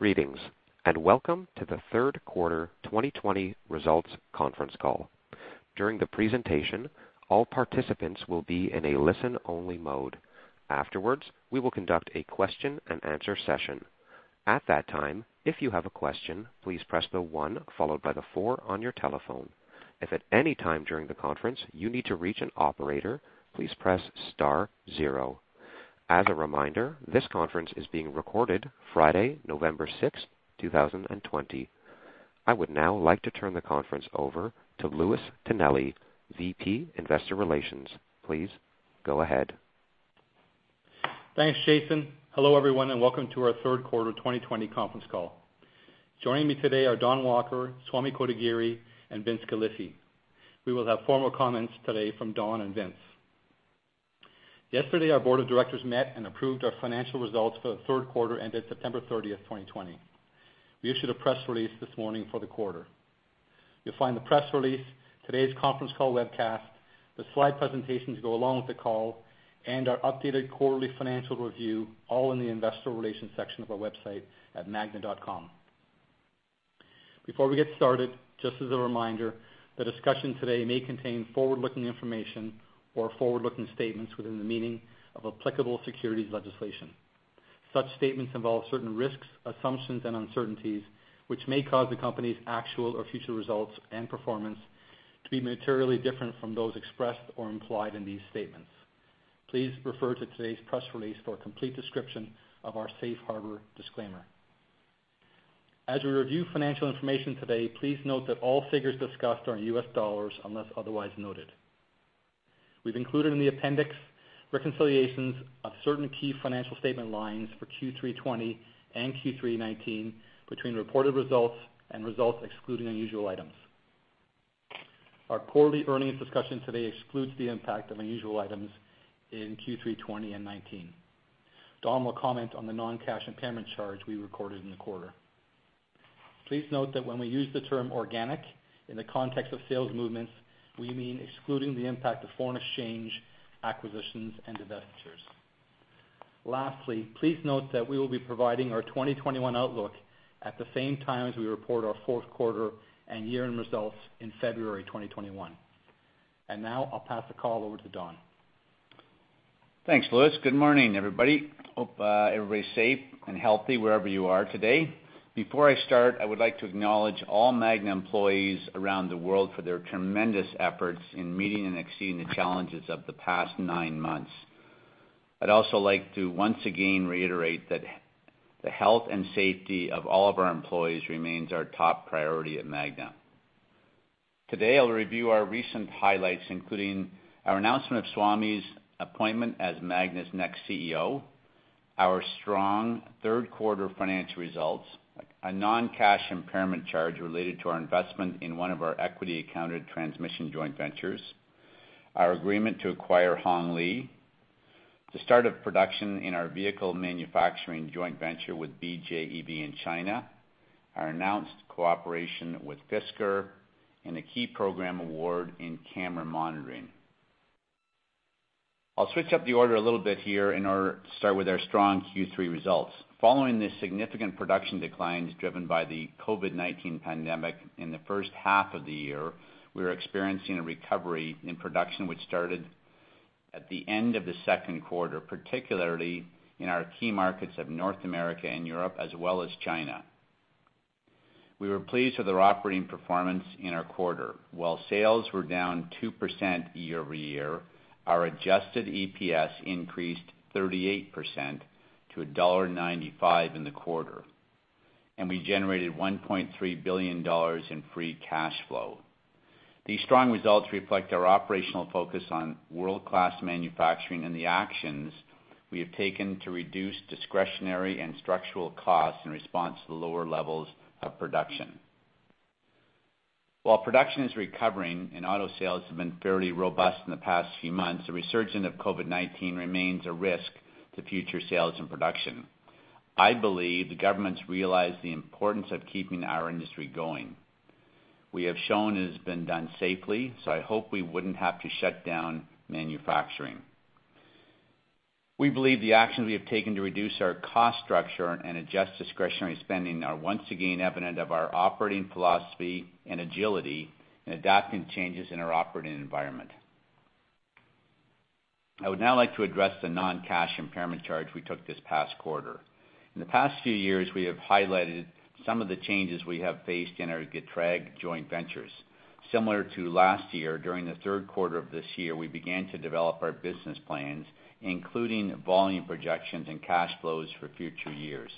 Greetings, and welcome to the third quarter 2020 results conference call. During the presentation, all participants will be in a listen-only mode. Afterwards, we will conduct a question-and-answer session. At that time, if you have a question, please press the one followed by the four on your telephone. If at any time during the conference you need to reach an operator, please press star zero. As a reminder, this conference is being recorded Friday, November 6, 2020. I would now like to turn the conference over to Louis Tonelli, VP Investor Relations. Please go ahead. Thanks, Jason. Hello everyone, and welcome to our third quarter 2020 conference call. Joining me today are Don Walker, Swami Kotagiri, and Vince Galifi. We will have formal comments today from Don and Vince. Yesterday, our board of directors met and approved our financial results for the third quarter ended September 30, 2020. We issued a press release this morning for the quarter. You'll find the press release, today's conference call webcast, the slide presentations that go along with the call, and our updated quarterly financial review all in the investor relations section of our website at magna.com. Before we get started, just as a reminder, the discussion today may contain forward-looking information or forward-looking statements within the meaning of applicable securities legislation. Such statements involve certain risks, assumptions, and uncertainties which may cause the company's actual or future results and performance to be materially different from those expressed or implied in these statements. Please refer to today's press release for a complete description of our safe harbor disclaimer. As we review financial information today, please note that all figures discussed are in US dollars unless otherwise noted. We've included in the appendix reconciliations of certain key financial statement lines for Q3 2020 and Q3 2019 between reported results and results excluding unusual items. Our quarterly earnings discussion today excludes the impact of unusual items in Q3 2020 and 2019. Don will comment on the non-cash impairment charge we recorded in the quarter. Please note that when we use the term organic in the context of sales movements, we mean excluding the impact of foreign exchange, acquisitions, and investments. Lastly, please note that we will be providing our 2021 outlook at the same time as we report our fourth quarter and year-end results in February 2021. Now, I'll pass the call over to Don. Thanks, Louis. Good morning, everybody. Hope everybody's safe and healthy wherever you are today. Before I start, I would like to acknowledge all Magna employees around the world for their tremendous efforts in meeting and exceeding the challenges of the past nine months. I'd also like to once again reiterate that the health and safety of all of our employees remains our top priority at Magna. Today, I'll review our recent highlights, including our announcement of Swami's appointment as Magna's next CEO, our strong third quarter financial results, a non-cash impairment charge related to our investment in one of our equity accounted transmission joint ventures, our agreement to acquire Hong Li, the start of production in our vehicle manufacturing joint venture with BJEV in China, our announced cooperation with Fisker, and a key program award in camera monitoring. I'll switch up the order a little bit here in order to start with our strong Q3 results. Following the significant production declines driven by the COVID-19 pandemic, in the first half of the year, we were experiencing a recovery in production which started at the end of the second quarter, particularly in our key markets of North America and Europe as well as China. We were pleased with our operating performance in our quarter. While sales were down 2% year over year, our adjusted EPS increased 38% to $1.95 in the quarter, and we generated $1.3 billion in free cash flow. These strong results reflect our operational focus on world-class manufacturing and the actions we have taken to reduce discretionary and structural costs in response to the lower levels of production. While production is recovering and auto sales have been fairly robust in the past few months, the resurgence of COVID-19 remains a risk to future sales and production. I believe the government's realized the importance of keeping our industry going. We have shown it has been done safely, so I hope we wouldn't have to shut down manufacturing. We believe the actions we have taken to reduce our cost structure and adjust discretionary spending are once again evident of our operating philosophy and agility in adapting to changes in our operating environment. I would now like to address the non-cash impairment charge we took this past quarter. In the past few years, we have highlighted some of the changes we have faced in our Getrag joint ventures. Similar to last year, during the third quarter of this year, we began to develop our business plans, including volume projections and cash flows for future years.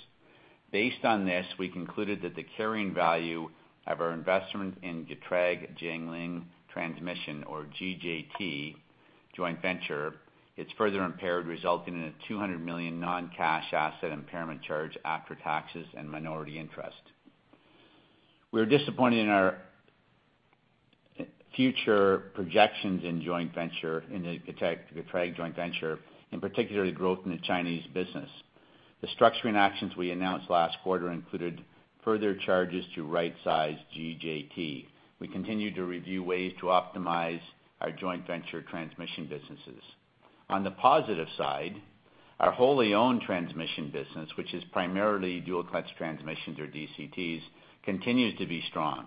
Based on this, we concluded that the carrying value of our investment in Getrag Jiangling Transmission, or GJT, joint venture, is further impaired, resulting in a $200 million non-cash asset impairment charge after taxes and minority interest. We are disappointed in our future projections in joint venture in the Getrag joint venture, in particular the growth in the Chinese business. The structuring actions we announced last quarter included further charges to right-size GJT. We continue to review ways to optimize our joint venture transmission businesses. On the positive side, our wholly-owned transmission business, which is primarily dual-clutch transmissions or DCTs, continues to be strong.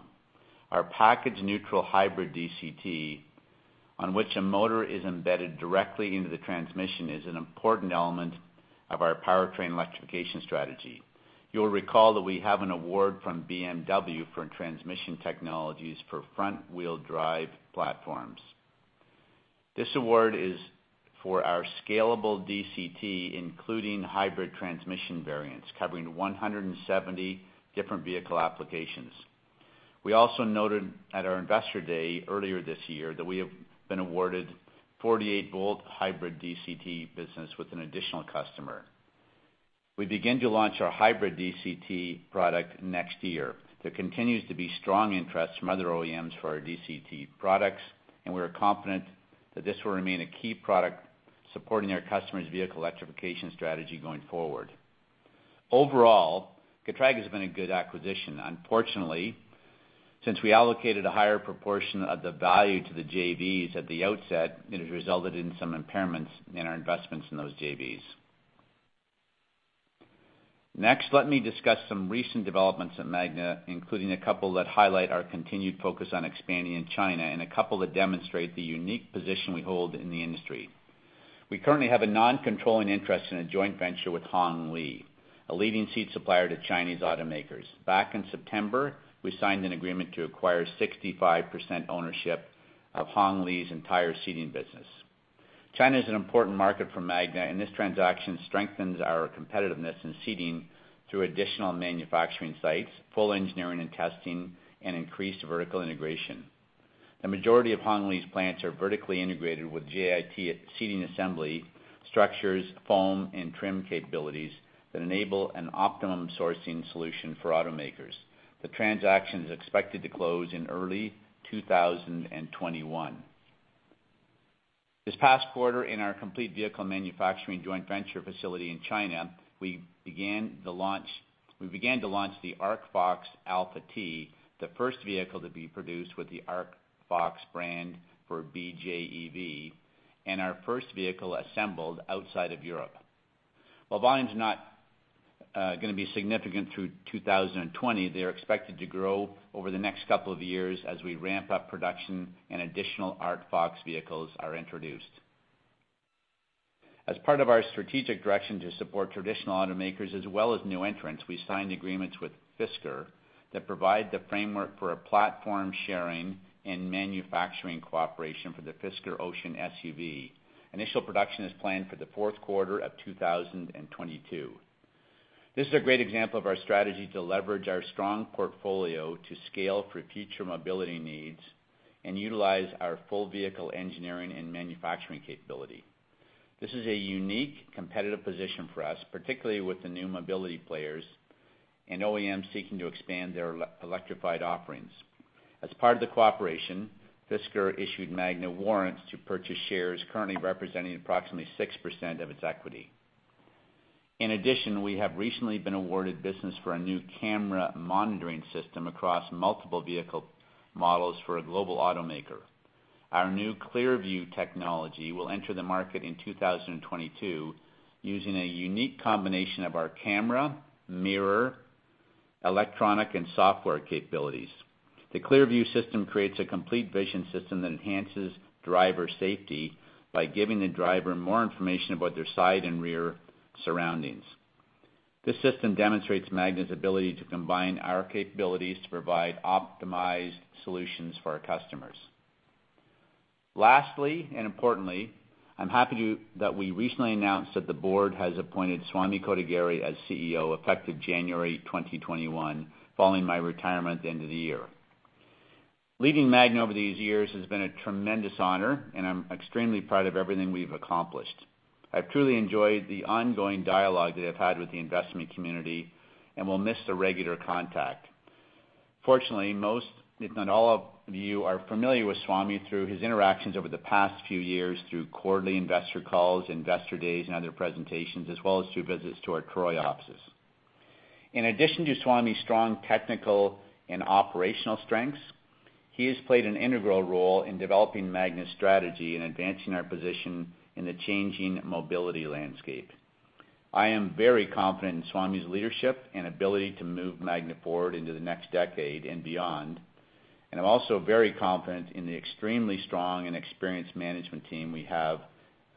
Our package-neutral hybrid DCT, on which a motor is embedded directly into the transmission, is an important element of our powertrain electrification strategy. You'll recall that we have an award from BMW for transmission technologies for front-wheel drive platforms. This award is for our scalable DCT, including hybrid transmission variants, covering 170 different vehicle applications. We also noted at our investor day earlier this year that we have been awarded 48-volt hybrid DCT business with an additional customer. We begin to launch our hybrid DCT product next year. There continues to be strong interest from other OEMs for our DCT products, and we are confident that this will remain a key product supporting our customers' vehicle electrification strategy going forward. Overall, Getrag has been a good acquisition. Unfortunately, since we allocated a higher proportion of the value to the JVs at the outset, it has resulted in some impairments in our investments in those JVs. Next, let me discuss some recent developments at Magna, including a couple that highlight our continued focus on expanding in China and a couple that demonstrate the unique position we hold in the industry. We currently have a non-controlling interest in a joint venture with Hong Li, a leading seat supplier to Chinese automakers. Back in September, we signed an agreement to acquire 65% ownership of Hong Li's entire seating business. China is an important market for Magna, and this transaction strengthens our competitiveness in seating through additional manufacturing sites, full engineering and testing, and increased vertical integration. The majority of Hong Li's plants are vertically integrated with JIT seating assembly structures, foam, and trim capabilities that enable an optimum sourcing solution for automakers. The transaction is expected to close in early 2021. This past quarter, in our complete vehicle manufacturing joint venture facility in China, we began to launch the Arcfox Alpha T, the first vehicle to be produced with the Arcfox brand for BJEV, and our first vehicle assembled outside of Europe. While volumes are not going to be significant through 2020, they are expected to grow over the next couple of years as we ramp up production and additional Arcfox vehicles are introduced. As part of our strategic direction to support traditional automakers as well as new entrants, we signed agreements with Fisker that provide the framework for a platform sharing and manufacturing cooperation for the Fisker Ocean SUV. Initial production is planned for the fourth quarter of 2022. This is a great example of our strategy to leverage our strong portfolio to scale for future mobility needs and utilize our full vehicle engineering and manufacturing capability. This is a unique competitive position for us, particularly with the new mobility players and OEMs seeking to expand their electrified offerings. As part of the cooperation, Fisker issued Magna warrants to purchase shares currently representing approximately 6% of its equity. In addition, we have recently been awarded business for a new camera monitoring system across multiple vehicle models for a global automaker. Our new Clearview technology will enter the market in 2022 using a unique combination of our camera, mirror, electronic, and software capabilities. The Clearview system creates a complete vision system that enhances driver safety by giving the driver more information about their side and rear surroundings. This system demonstrates Magna's ability to combine our capabilities to provide optimized solutions for our customers. Lastly, and importantly, I'm happy that we recently announced that the board has appointed Swami Kotagiri as CEO effective January 2021, following my retirement at the end of the year. Leading Magna over these years has been a tremendous honor, and I'm extremely proud of everything we've accomplished. I've truly enjoyed the ongoing dialogue that I've had with the investment community and will miss the regular contact. Fortunately, most, if not all of you, are familiar with Swami through his interactions over the past few years through quarterly investor calls, investor days, and other presentations, as well as through visits to our Troy offices. In addition to Swami's strong technical and operational strengths, he has played an integral role in developing Magna's strategy and advancing our position in the changing mobility landscape. I am very confident in 's leadership and ability to move Magna forward into the next decade and beyond, and I am also very confident in the extremely strong and experienced management team we have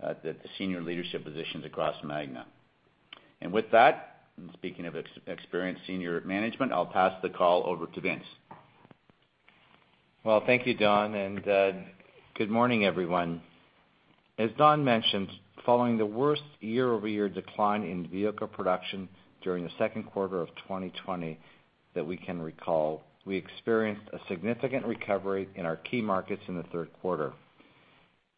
at the senior leadership positions across Magna. With that, and speaking of experienced senior management, I'll pass the call over to Vince. Thank you, Don. Good morning, everyone. As Don mentioned, following the worst year-over-year decline in vehicle production during the second quarter of 2020 that we can recall, we experienced a significant recovery in our key markets in the third quarter,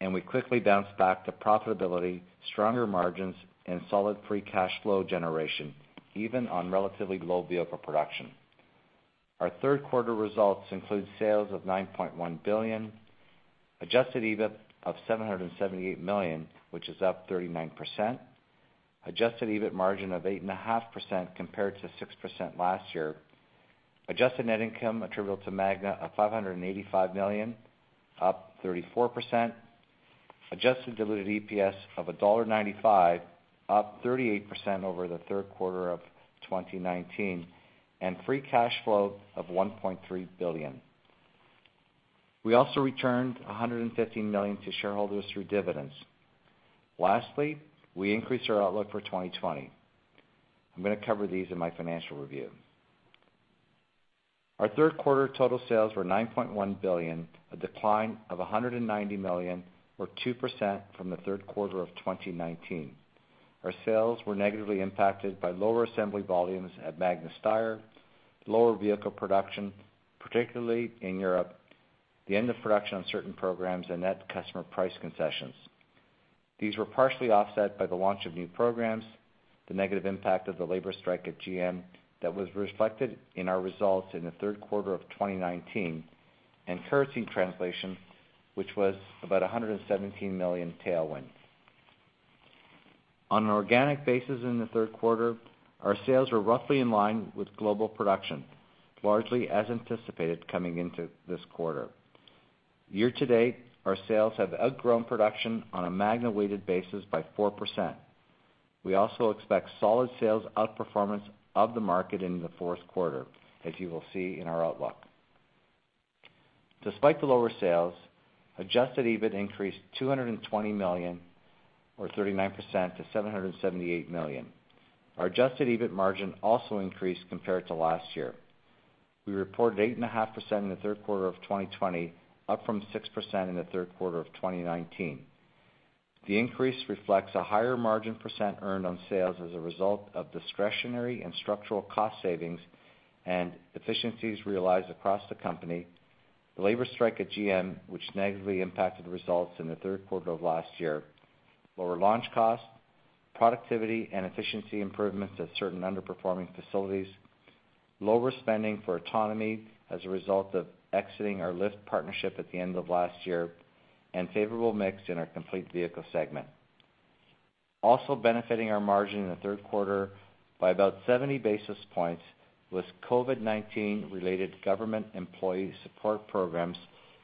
and we quickly bounced back to profitability, stronger margins, and solid free cash flow generation, even on relatively low vehicle production. Our third quarter results include sales of $9.1 billion, adjusted EBIT of $778 million, which is up 39%, adjusted EBIT margin of 8.5% compared to 6% last year, adjusted net income attributable to Magna of $585 million, up 34%, adjusted diluted EPS of $1.95, up 38% over the third quarter of 2019, and free cash flow of $1.3 billion. We also returned $115 million to shareholders through dividends. Lastly, we increased our outlook for 2020. I'm going to cover these in my financial review. Our third quarter total sales were $9.1 billion, a decline of $190 million, or 2% from the third quarter of 2019. Our sales were negatively impacted by lower assembly volumes at Magna Steyr, lower vehicle production, particularly in Europe, the end of production on certain programs, and net customer price concessions. These were partially offset by the launch of new programs, the negative impact of the labor strike at GM that was reflected in our results in the third quarter of 2019, and currency translation, which was about $117 million tailwinds. On an organic basis in the third quarter, our sales were roughly in line with global production, largely as anticipated coming into this quarter. Year to date, our sales have outgrown production on a Magna-weighted basis by 4%. We also expect solid sales outperformance of the market in the fourth quarter, as you will see in our outlook. Despite the lower sales, adjusted EBIT increased $220 million, or 39%, to $778 million. Our adjusted EBIT margin also increased compared to last year. We reported 8.5% in the third quarter of 2020, up from 6% in the third quarter of 2019. The increase reflects a higher margin percent earned on sales as a result of discretionary and structural cost savings and efficiencies realized across the company, the labor strike at General Motors, which negatively impacted results in the third quarter of last year, lower launch costs, productivity and efficiency improvements at certain underperforming facilities, lower spending for autonomy as a result of exiting our Lyft partnership at the end of last year, and favorable mix in our complete vehicle segment. Also benefiting our margin in the third quarter by about 70 basis points was COVID-19-related government employee support programs,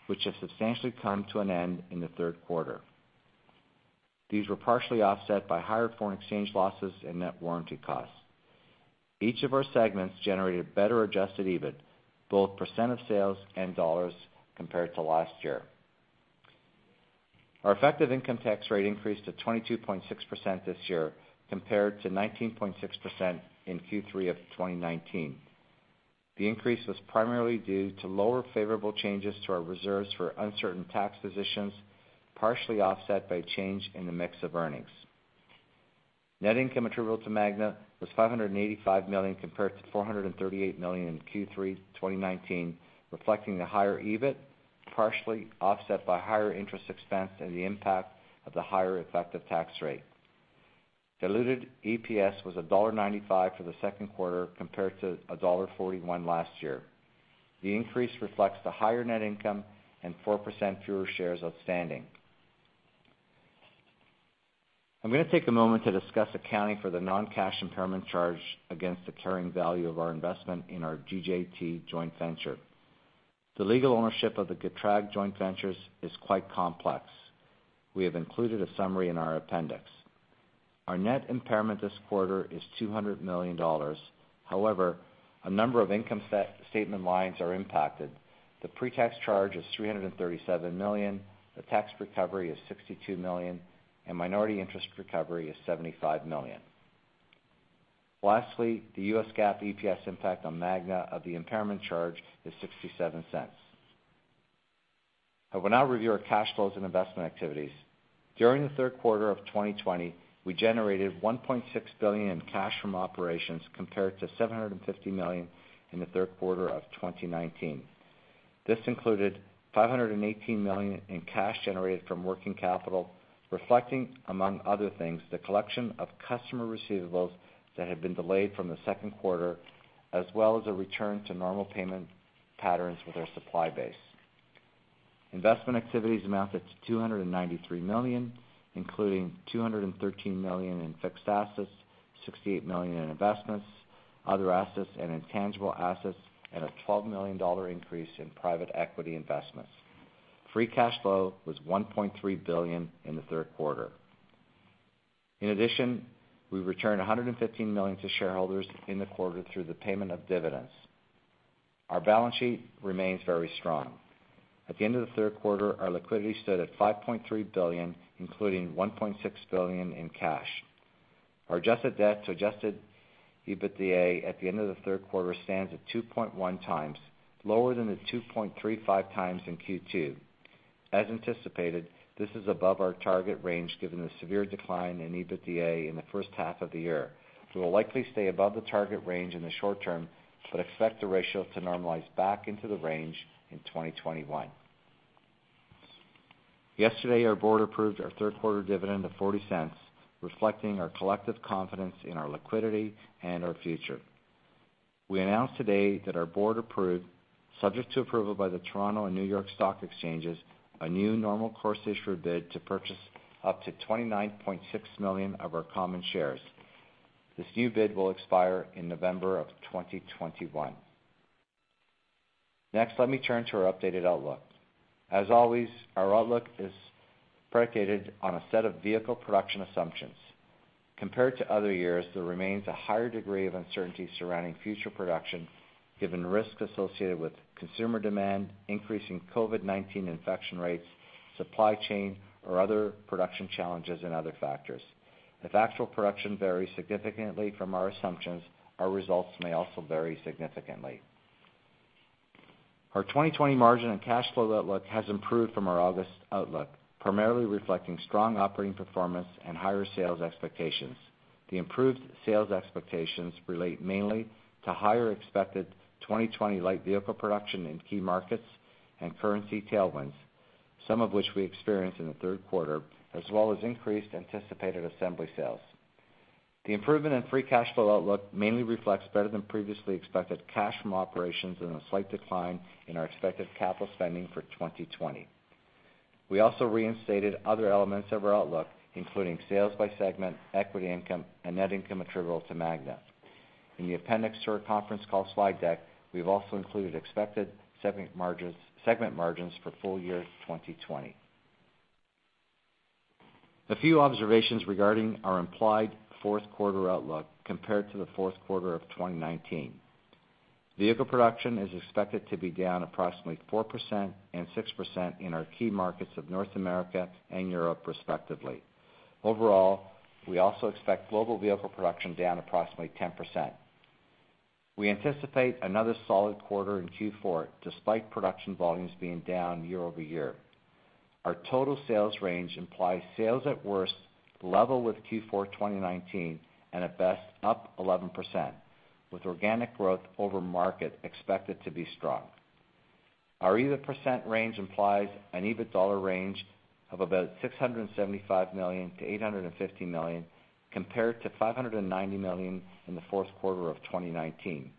which have substantially come to an end in the third quarter. These were partially offset by higher foreign exchange losses and net warranty costs. Each of our segments generated better adjusted EBIT, both percent of sales and dollars, compared to last year. Our effective income tax rate increased to 22.6% this year, compared to 19.6% in Q3 of 2019. The increase was primarily due to lower favorable changes to our reserves for uncertain tax positions, partially offset by change in the mix of earnings. Net income attributable to Magna was $585 million compared to $438 million in Q3 2019, reflecting the higher EBIT, partially offset by higher interest expense and the impact of the higher effective tax rate. Diluted EPS was $1.95 for the second quarter, compared to $1.41 last year. The increase reflects the higher net income and 4% fewer shares outstanding. I'm going to take a moment to discuss accounting for the non-cash impairment charge against the carrying value of our investment in our GJT joint venture. The legal ownership of the Getrag joint ventures is quite complex. We have included a summary in our appendix. Our net impairment this quarter is $200 million. However, a number of income statement lines are impacted. The pre-tax charge is $337 million, the tax recovery is $62 million, and minority interest recovery is $75 million. Lastly, the US GAAP EPS impact on Magna of the impairment charge is $0.67. I will now review our cash flows and investment activities. During the third quarter of 2020, we generated $1.6 billion in cash from operations compared to $750 million in the third quarter of 2019. This included $518 million in cash generated from working capital, reflecting, among other things, the collection of customer receivables that had been delayed from the second quarter, as well as a return to normal payment patterns with our supply base. Investment activities amounted to $293 million, including $213 million in fixed assets, $68 million in investments, other assets, and intangible assets, and a $12 million increase in private equity investments. Free cash flow was $1.3 billion in the third quarter. In addition, we returned $115 million to shareholders in the quarter through the payment of dividends. Our balance sheet remains very strong. At the end of the third quarter, our liquidity stood at $5.3 billion, including $1.6 billion in cash. Our adjusted debt to adjusted EBITDA at the end of the third quarter stands at 2.1 times, lower than the 2.35 times in Q2. As anticipated, this is above our target range given the severe decline in EBITDA in the first half of the year. We will likely stay above the target range in the short term but expect the ratio to normalize back into the range in 2021. Yesterday, our board approved our third quarter dividend of $0.40, reflecting our collective confidence in our liquidity and our future. We announced today that our board approved, subject to approval by the Toronto and New York Stock Exchanges, a new normal-course issuer bid to purchase up to 29.6 million of our common shares. This new bid will expire in November of 2021. Next, let me turn to our updated outlook. As always, our outlook is predicated on a set of vehicle production assumptions. Compared to other years, there remains a higher degree of uncertainty surrounding future production given risks associated with consumer demand, increasing COVID-19 infection rates, supply chain, or other production challenges and other factors. If actual production varies significantly from our assumptions, our results may also vary significantly. Our 2020 margin and cash flow outlook has improved from our August outlook, primarily reflecting strong operating performance and higher sales expectations. The improved sales expectations relate mainly to higher expected 2020 light vehicle production in key markets and currency tailwinds, some of which we experienced in the third quarter, as well as increased anticipated assembly sales. The improvement in free cash flow outlook mainly reflects better than previously expected cash from operations and a slight decline in our expected capital spending for 2020. We also reinstated other elements of our outlook, including sales by segment, equity income, and net income attributable to Magna. In the appendix to our conference call slide deck, we've also included expected segment margins for full year 2020. A few observations regarding our implied fourth quarter outlook compared to the fourth quarter of 2019. Vehicle production is expected to be down approximately 4% and 6% in our key markets of North America and Europe, respectively. Overall, we also expect global vehicle production down approximately 10%. We anticipate another solid quarter in Q4, despite production volumes being down year over year. Our total sales range implies sales at worst level with Q4 2019 and at best up 11%, with organic growth over market expected to be strong. Our EBIT % range implies an EBIT dollar range of about $675 million-$850 million compared to $590 million in the fourth quarter of 2019.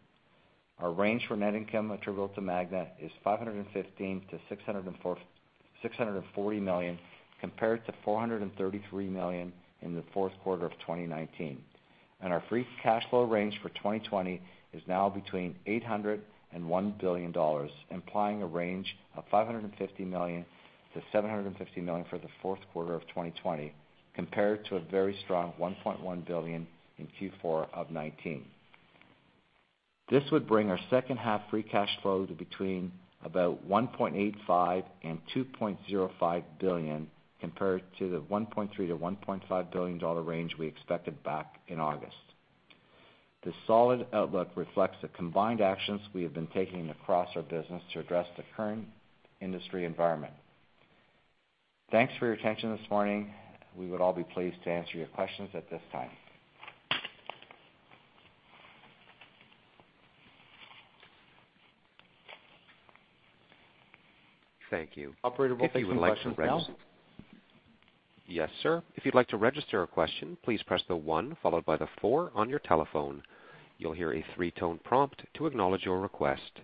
Our range for net income attributable to Magna is $515 million-$640 million compared to $433 million in the fourth quarter of 2019. Our free cash flow range for 2020 is now between $800 million and $1 billion, implying a range of $550 million-$750 million for the fourth quarter of 2020, compared to a very strong $1.1 billion in Q4 of 2019. This would bring our second half free cash flow to between about $1.85 billion and $2.05 billion compared to the $1.3 billion-$1.5 billion range we expected back in August. The solid outlook reflects the combined actions we have been taking across our business to address the current industry environment. Thanks for your attention this morning. We would all be pleased to answer your questions at this time. Thank you. Operator, would you like to register? Yes, sir. If you'd like to register a question, please press the one followed by the four on your telephone. You'll hear a three-tone prompt to acknowledge your request.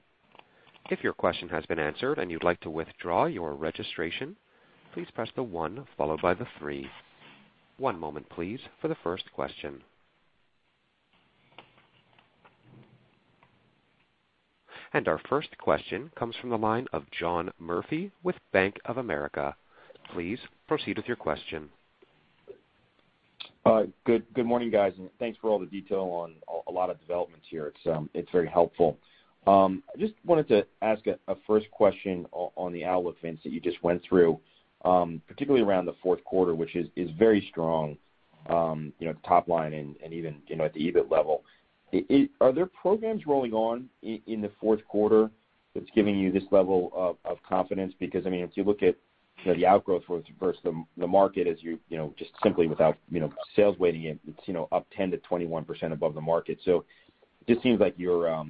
If your question has been answered and you'd like to withdraw your registration, please press the one followed by the three. One moment, please, for the first question. Our first question comes from the line of John Murphy with Bank of America. Please proceed with your question. Good morning, guys. Thanks for all the detail on a lot of developments here. It's very helpful. I just wanted to ask a first question on the outlook events that you just went through, particularly around the fourth quarter, which is very strong, the top line and even at the EBIT level. Are there programs rolling on in the fourth quarter that's giving you this level of confidence? Because, I mean, if you look at the outgrowth versus the market, just simply without sales weighting it, it's up 10-21% above the market. It just seems like you're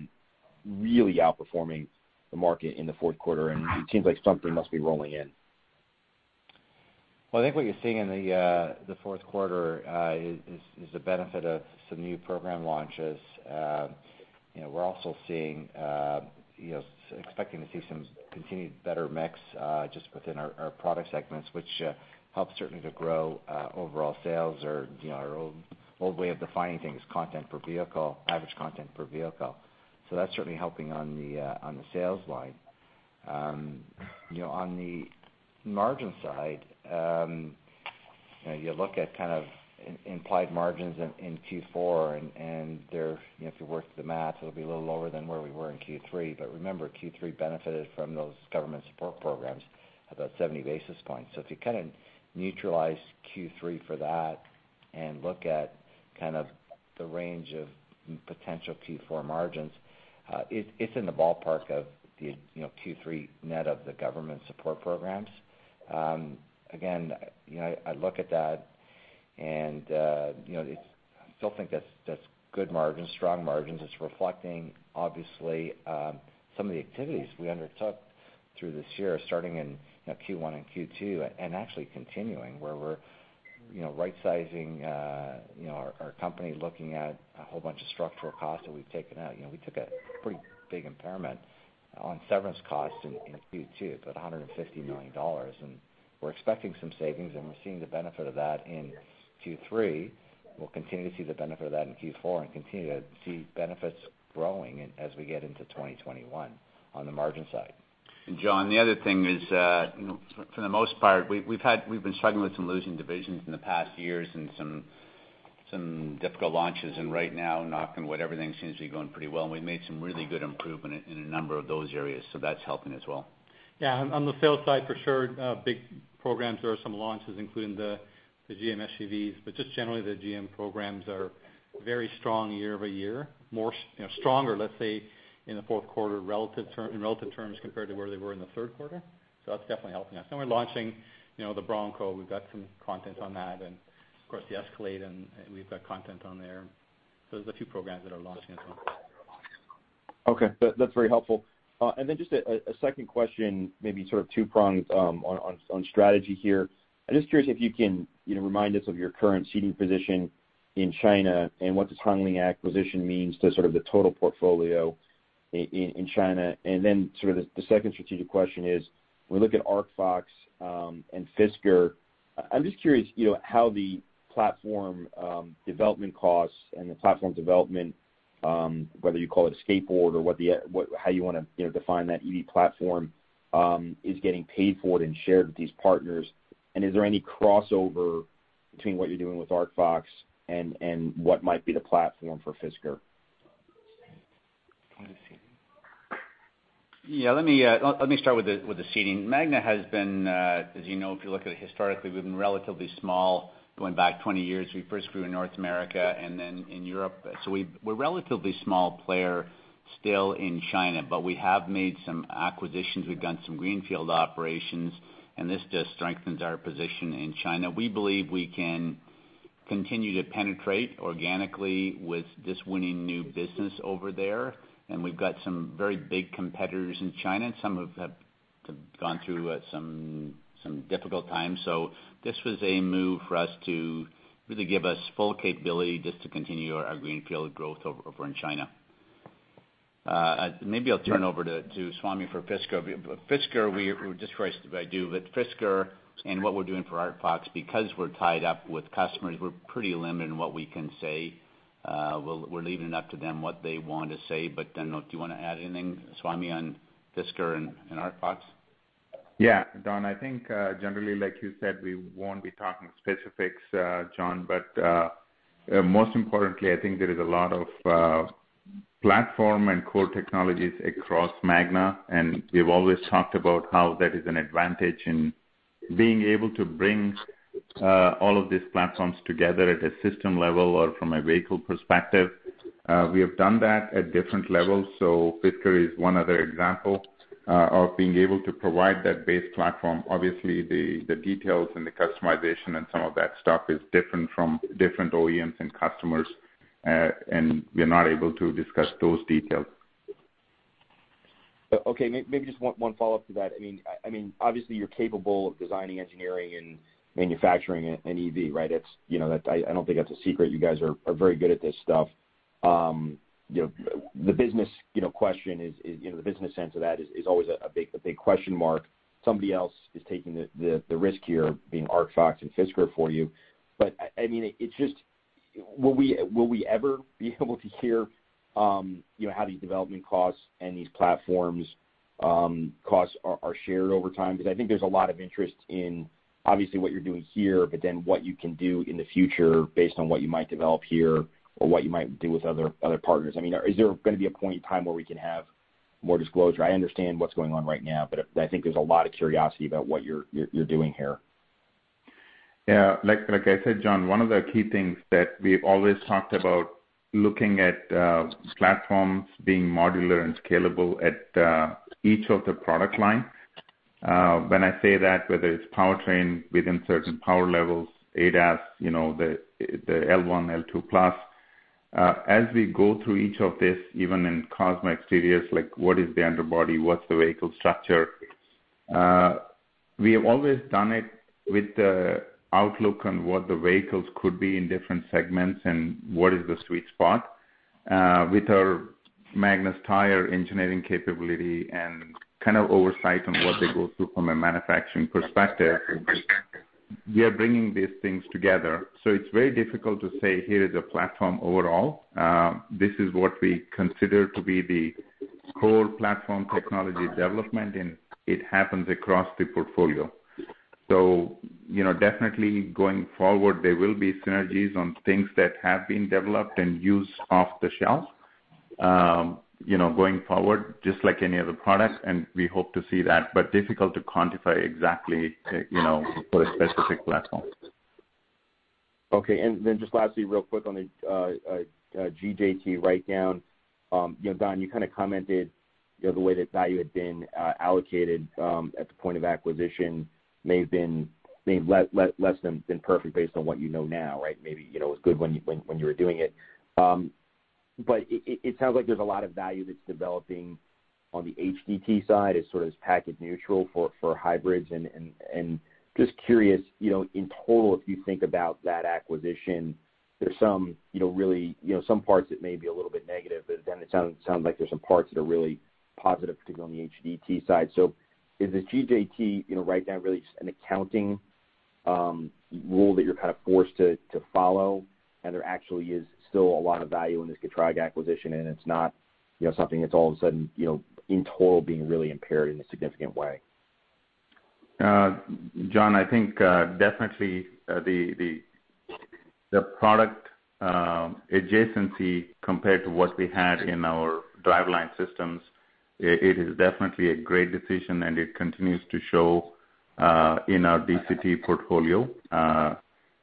really outperforming the market in the fourth quarter, and it seems like something must be rolling in. I think what you're seeing in the fourth quarter is the benefit of some new program launches. We're also expecting to see some continued better mix just within our product segments, which helps certainly to grow overall sales. Our old way of defining things is content per vehicle, average content per vehicle. That's certainly helping on the sales line. On the margin side, you look at kind of implied margins in Q4, and if you work the math, it'll be a little lower than where we were in Q3. Remember, Q3 benefited from those government support programs, about 70 basis points. If you kind of neutralize Q3 for that and look at the range of potential Q4 margins, it's in the ballpark of the Q3 net of the government support programs. Again, I look at that, and I still think that's good margins, strong margins. It's reflecting, obviously, some of the activities we undertook through this year, starting in Q1 and Q2 and actually continuing, where we're rightsizing our company, looking at a whole bunch of structural costs that we've taken out. We took a pretty big impairment on severance costs in Q2, about $150 million. We're expecting some savings, and we're seeing the benefit of that in Q3. We'll continue to see the benefit of that in Q4 and continue to see benefits growing as we get into 2021 on the margin side. John, the other thing is, for the most part, we've been struggling with some losing divisions in the past years and some difficult launches. Right now, knock on wood, everything seems to be going pretty well. We've made some really good improvement in a number of those areas, so that's helping as well. Yeah. On the sales side, for sure, big programs. There are some launches, including the GM SUVs. Just generally, the GM programs are very strong year over year, stronger, let's say, in the fourth quarter in relative terms compared to where they were in the third quarter. That's definitely helping us. We're launching the Bronco. We've got some content on that. Of course, the Escalade, and we've got content on there. There's a few programs that are launching as well. Okay. That's very helpful. Just a second question, maybe sort of two-pronged on strategy here. I'm just curious if you can remind us of your current seating position in China and what the Hong Li acquisition means to sort of the total portfolio in China. The second strategic question is, when we look at Arcfox and Fisker, I'm just curious how the platform development costs and the platform development, whether you call it a skateboard or how you want to define that EV platform, is getting paid for and shared with these partners. Is there any crossover between what you're doing with Arcfox and what might be the platform for Fisker? Yeah. Let me start with the seating. Magna has been, as you know, if you look at it historically, we've been relatively small going back 20 years. We first grew in North America and then in Europe. We are a relatively small player still in China, but we have made some acquisitions. We've done some greenfield operations, and this just strengthens our position in China. We believe we can continue to penetrate organically with this winning new business over there. We've got some very big competitors in China, and some have gone through some difficult times. This was a move for us to really give us full capability just to continue our greenfield growth over in China. Maybe I'll turn over to Swami for Fisker. Fisker, just for us to do, but Fisker and what we're doing for Arcfox, because we're tied up with customers, we're pretty limited in what we can say. We're leaving it up to them what they want to say. Do you want to add anything, Swami, on Fisker and Arcfox? Yeah, John. I think, generally, like you said, we won't be talking specifics, John. Most importantly, I think there is a lot of platform and core technologies across Magna. We've always talked about how that is an advantage in being able to bring all of these platforms together at a system level or from a vehicle perspective. We have done that at different levels. Fisker is one other example of being able to provide that base platform. Obviously, the details and the customization and some of that stuff is different from different OEMs and customers, and we're not able to discuss those details. Okay. Maybe just one follow-up to that. I mean, obviously, you're capable of designing, engineering, and manufacturing an EV, right? I don't think that's a secret. You guys are very good at this stuff. The business question is, the business sense of that is always a big question mark. Somebody else is taking the risk here, being Arcfox and Fisker for you. I mean, it's just, will we ever be able to hear how these development costs and these platforms' costs are shared over time? Because I think there's a lot of interest in, obviously, what you're doing here, but then what you can do in the future based on what you might develop here or what you might do with other partners. I mean, is there going to be a point in time where we can have more disclosure? I understand what's going on right now, but I think there's a lot of curiosity about what you're doing here. Yeah. Like I said, John, one of the key things that we've always talked about is looking at platforms being modular and scalable at each of the product lines. When I say that, whether it's powertrain within certain power levels, ADAS, the L1, L2 Plus, as we go through each of these, even in Cosmo Exteriors, like what is the underbody, what's the vehicle structure? We have always done it with the outlook on what the vehicles could be in different segments and what is the sweet spot. With our Magna's tire engineering capability and kind of oversight on what they go through from a manufacturing perspective, we are bringing these things together. It is very difficult to say, "Here is a platform overall. This is what we consider to be the core platform technology development," and it happens across the portfolio. Definitely, going forward, there will be synergies on things that have been developed and used off the shelf going forward, just like any other product. We hope to see that, but difficult to quantify exactly for a specific platform. Okay. And then just lastly, real quick on the GJT write-down. Don, you kind of commented the way that value had been allocated at the point of acquisition may have been less than perfect based on what you know now, right? Maybe it was good when you were doing it. It sounds like there's a lot of value that's developing on the HDT side. It's sort of packet neutral for hybrids. Just curious, in total, if you think about that acquisition, there's really some parts that may be a little bit negative, but then it sounds like there's some parts that are really positive, particularly on the HDT side. Is the GJT write-down really just an accounting rule that you're kind of forced to follow? There actually is still a lot of value in this Getrag acquisition, and it's not something that's all of a sudden, in total, being really impaired in a significant way. John, I think definitely the product adjacency compared to what we had in our driveline systems, it is definitely a great decision, and it continues to show in our DCT portfolio.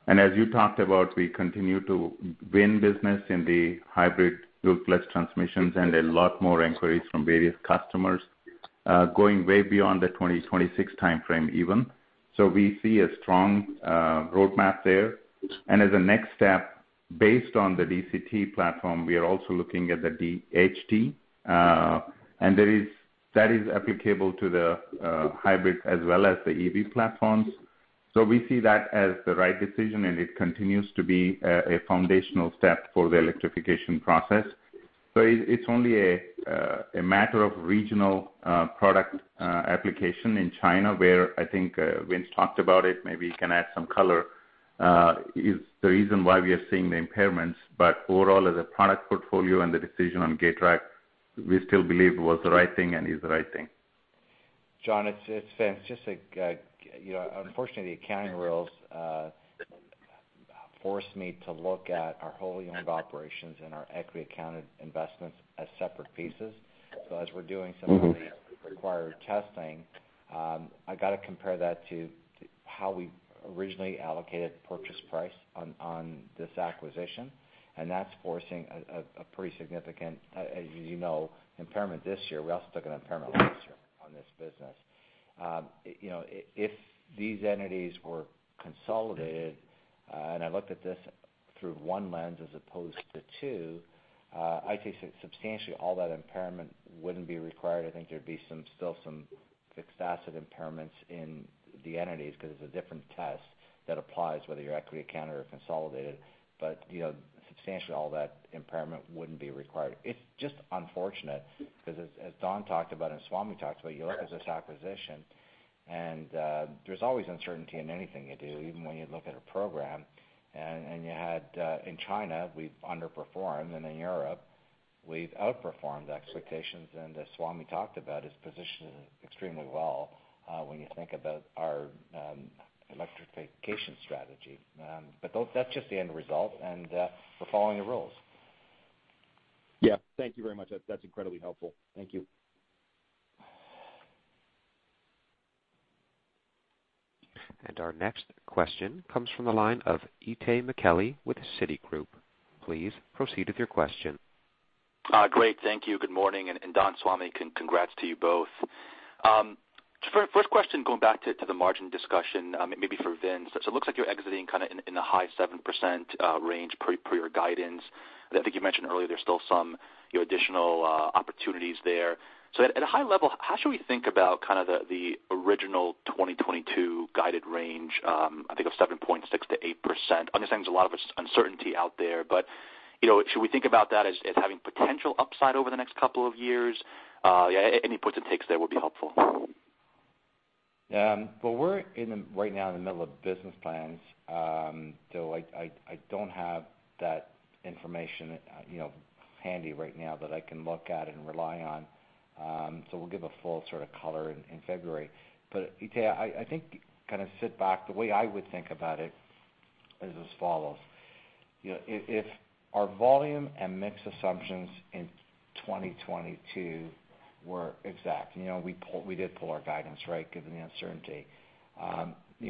As you talked about, we continue to win business in the hybrid dual-clutch transmissions and a lot more inquiries from various customers going way beyond the 2026 timeframe even. We see a strong roadmap there. As a next step, based on the DCT platform, we are also looking at the HT. That is applicable to the hybrid as well as the EV platforms. We see that as the right decision, and it continues to be a foundational step for the electrification process. It's only a matter of regional product application in China where, I think, Vince talked about it. Maybe you can add some color. is the reason why we are seeing the impairments. Overall, as a product portfolio and the decision on Getrag, we still believe it was the right thing and is the right thing. John, it's just unfortunately, the accounting rules forced me to look at our whole young operations and our equity accounted investments as separate pieces. As we're doing some of the required testing, I got to compare that to how we originally allocated purchase price on this acquisition. That's forcing a pretty significant, as you know, impairment this year. We also took an impairment last year on this business. If these entities were consolidated, and I looked at this through one lens as opposed to two, I'd say substantially all that impairment wouldn't be required. I think there'd be still some fixed asset impairments in the entities because it's a different test that applies whether you're equity accounted or consolidated. Substantially, all that impairment wouldn't be required. It's just unfortunate because, as Don talked about and Swami talked about, you look at this acquisition, and there's always uncertainty in anything you do, even when you look at a program. In China, we've underperformed, and in Europe, we've outperformed expectations. As Swami talked about, it's positioned extremely well when you think about our electrification strategy. That's just the end result, and we're following the rules. Yeah. Thank you very much. That's incredibly helpful. Thank you. Our next question comes from the line of Itay Michaeli with Citigroup. Please proceed with your question. Great. Thank you. Good morning. Don, Swami, congrats to you both. First question, going back to the margin discussion, maybe for Vince. It looks like you're exiting kind of in the high 7% range per your guidance. I think you mentioned earlier there's still some additional opportunities there. At a high level, how should we think about kind of the original 2022 guided range, I think, of 7.6-8%? I understand there's a lot of uncertainty out there, but should we think about that as having potential upside over the next couple of years? Any points it takes there would be helpful. Yeah. We are right now in the middle of business plans, so I do not have that information handy right now that I can look at and rely on. We will give a full sort of color in February. ETA, I think, kind of sit back. The way I would think about it is as follows. If our volume and mix assumptions in 2022 were exact, we did pull our guidance, right, given the uncertainty.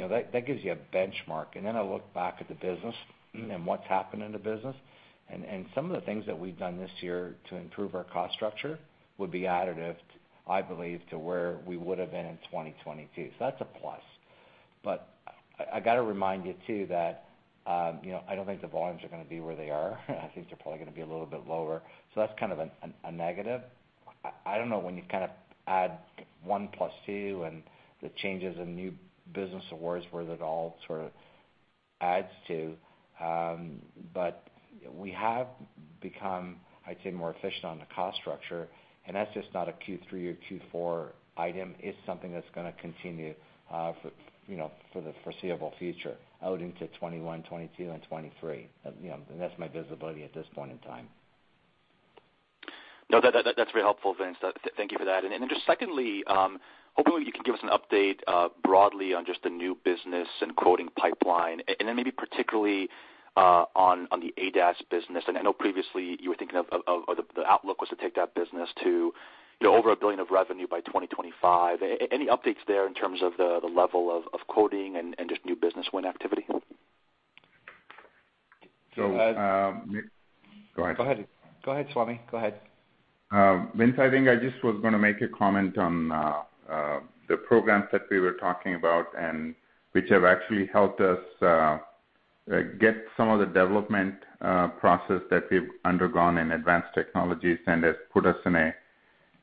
That gives you a benchmark. I look back at the business and what has happened in the business. Some of the things that we have done this year to improve our cost structure would be additive, I believe, to where we would have been in 2022. That is a plus. I have to remind you too that I do not think the volumes are going to be where they are. I think they're probably going to be a little bit lower. That is kind of a negative. I do not know when you kind of add one plus two and the changes in new business awards, where that all sort of adds to. We have become, I would say, more efficient on the cost structure. That is just not a Q3 or Q4 item. It is something that is going to continue for the foreseeable future out into 2021, 2022, and 2023. That is my visibility at this point in time. No, that's very helpful, Vince. Thank you for that. Just secondly, hopefully, you can give us an update broadly on just the new business and quoting pipeline, and maybe particularly on the ADAS business. I know previously you were thinking of the outlook was to take that business to over $1 billion of revenue by 2025. Any updates there in terms of the level of quoting and just new business win activity? Go ahead. Go ahead. Go ahead, Swami. Go ahead. Vince, I think I just was going to make a comment on the programs that we were talking about and which have actually helped us get some of the development process that we've undergone in advanced technologies and has put us in a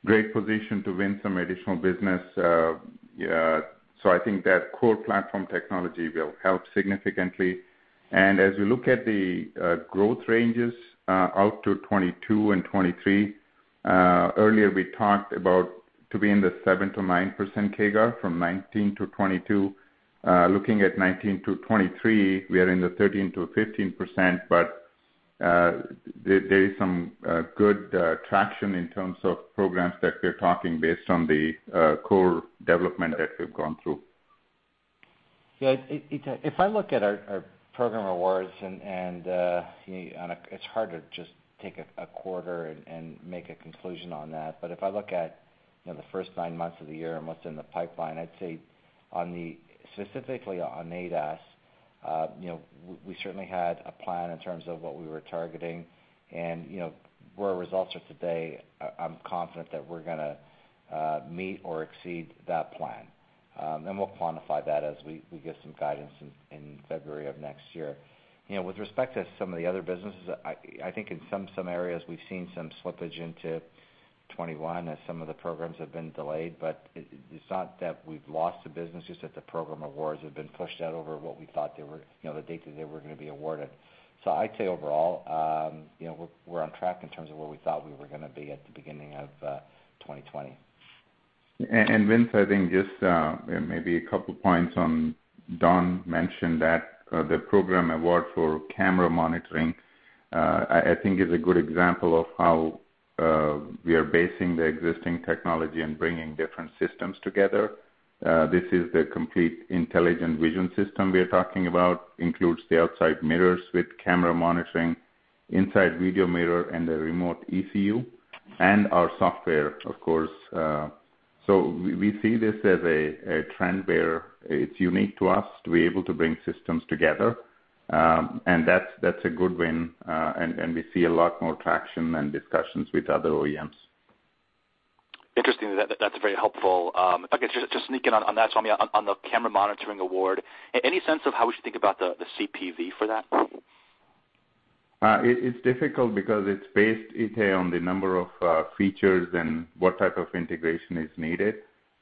great position to win some additional business. I think that core platform technology will help significantly. As we look at the growth ranges out to 2022 and 2023, earlier we talked about to be in the 7-9% CAGR from 2019 to 2022. Looking at 2019 to 2023, we are in the 13-15%, but there is some good traction in terms of programs that we're talking based on the core development that we've gone through. If I look at our program awards, and it's hard to just take a quarter and make a conclusion on that. If I look at the first nine months of the year and what's in the pipeline, I'd say specifically on ADAS, we certainly had a plan in terms of what we were targeting. Where results are today, I'm confident that we're going to meet or exceed that plan. We'll quantify that as we get some guidance in February of next year. With respect to some of the other businesses, I think in some areas we've seen some slippage into 2021 as some of the programs have been delayed. It's not that we've lost the business, just that the program awards have been pushed out over what we thought they were, the date that they were going to be awarded. I'd say overall, we're on track in terms of where we thought we were going to be at the beginning of 2020. Vince, I think just maybe a couple of points on Don mentioned that the program award for camera monitoring, I think, is a good example of how we are basing the existing technology and bringing different systems together. This is the complete intelligent vision system we are talking about, includes the outside mirrors with camera monitoring, inside video mirror, and the remote ECU, and our software, of course. We see this as a trend where it's unique to us to be able to bring systems together. That's a good win. We see a lot more traction and discussions with other OEMs. Interesting. That's very helpful. Okay. Just sneaking on that, Swami, on the camera monitoring award, any sense of how we should think about the CPV for that? It's difficult because it's based ETA on the number of features and what type of integration is needed.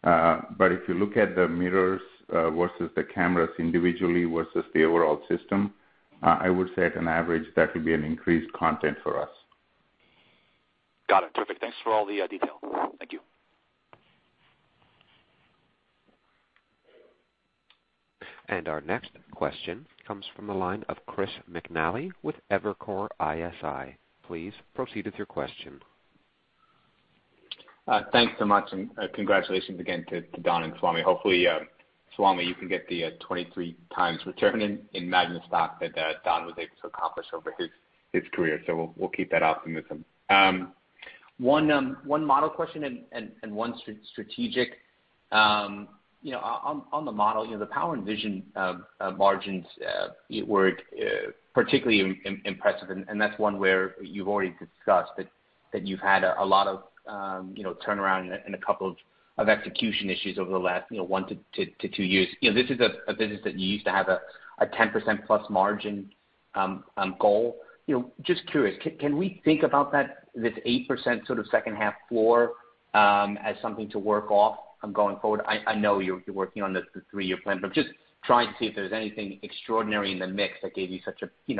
If you look at the mirrors versus the cameras individually versus the overall system, I would say at an average, that would be an increased content for us. Got it. Perfect. Thanks for all the detail. Thank you. Our next question comes from the line of Christopher Patrick McNally with Evercore ISI. Please proceed with your question. Thanks so much. Congratulations again to Don and Swami. Hopefully, Swami, you can get the 23 times return in Magna stock that Don was able to accomplish over his career. We will keep that optimism. One model question and one strategic. On the model, the power and vision margins were particularly impressive. That is one where you have already discussed that you have had a lot of turnaround and a couple of execution issues over the last one to two years. This is a business that you used to have a 10% plus margin goal. Just curious, can we think about this 8% sort of second half floor as something to work off going forward? I know you are working on the three-year plan, but just trying to see if there is anything extraordinary in the mix that gave you such a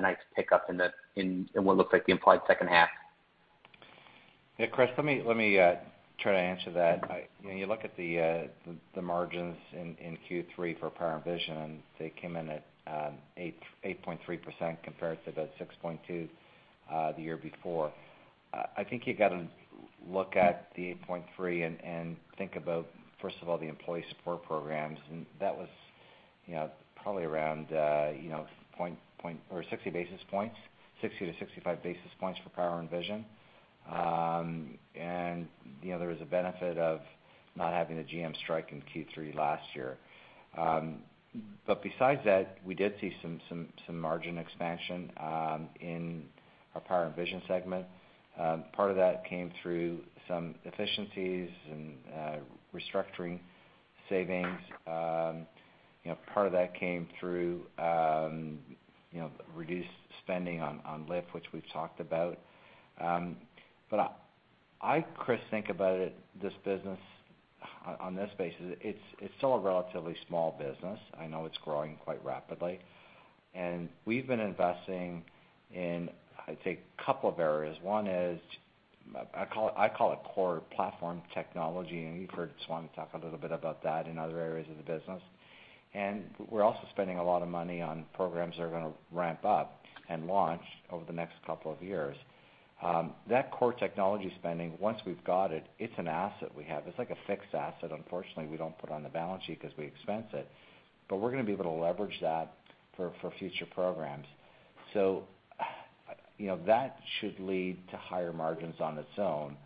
nice pickup in what looks like the implied second half. Yeah, Chris, let me try to answer that. You look at the margins in Q3 for power and vision, and they came in at 8.3% compared to the 6.2% the year before. I think you got to look at the 8.3% and think about, first of all, the employee support programs. That was probably around 60 basis points, 60 to 65 basis points for power and vision. There was a benefit of not having the GM strike in Q3 last year. Besides that, we did see some margin expansion in our power and vision segment. Part of that came through some efficiencies and restructuring savings. Part of that came through reduced spending on Lyft, which we've talked about. I, Chris, think about this business on this basis. It's still a relatively small business. I know it's growing quite rapidly. We've been investing in, I'd say, a couple of areas. One is I call it core platform technology. You've heard Swami talk a little bit about that in other areas of the business. We're also spending a lot of money on programs that are going to ramp up and launch over the next couple of years. That core technology spending, once we've got it, it's an asset we have. It's like a fixed asset. Unfortunately, we don't put it on the balance sheet because we expense it. We're going to be able to leverage that for future programs. That should lead to higher margins on its own.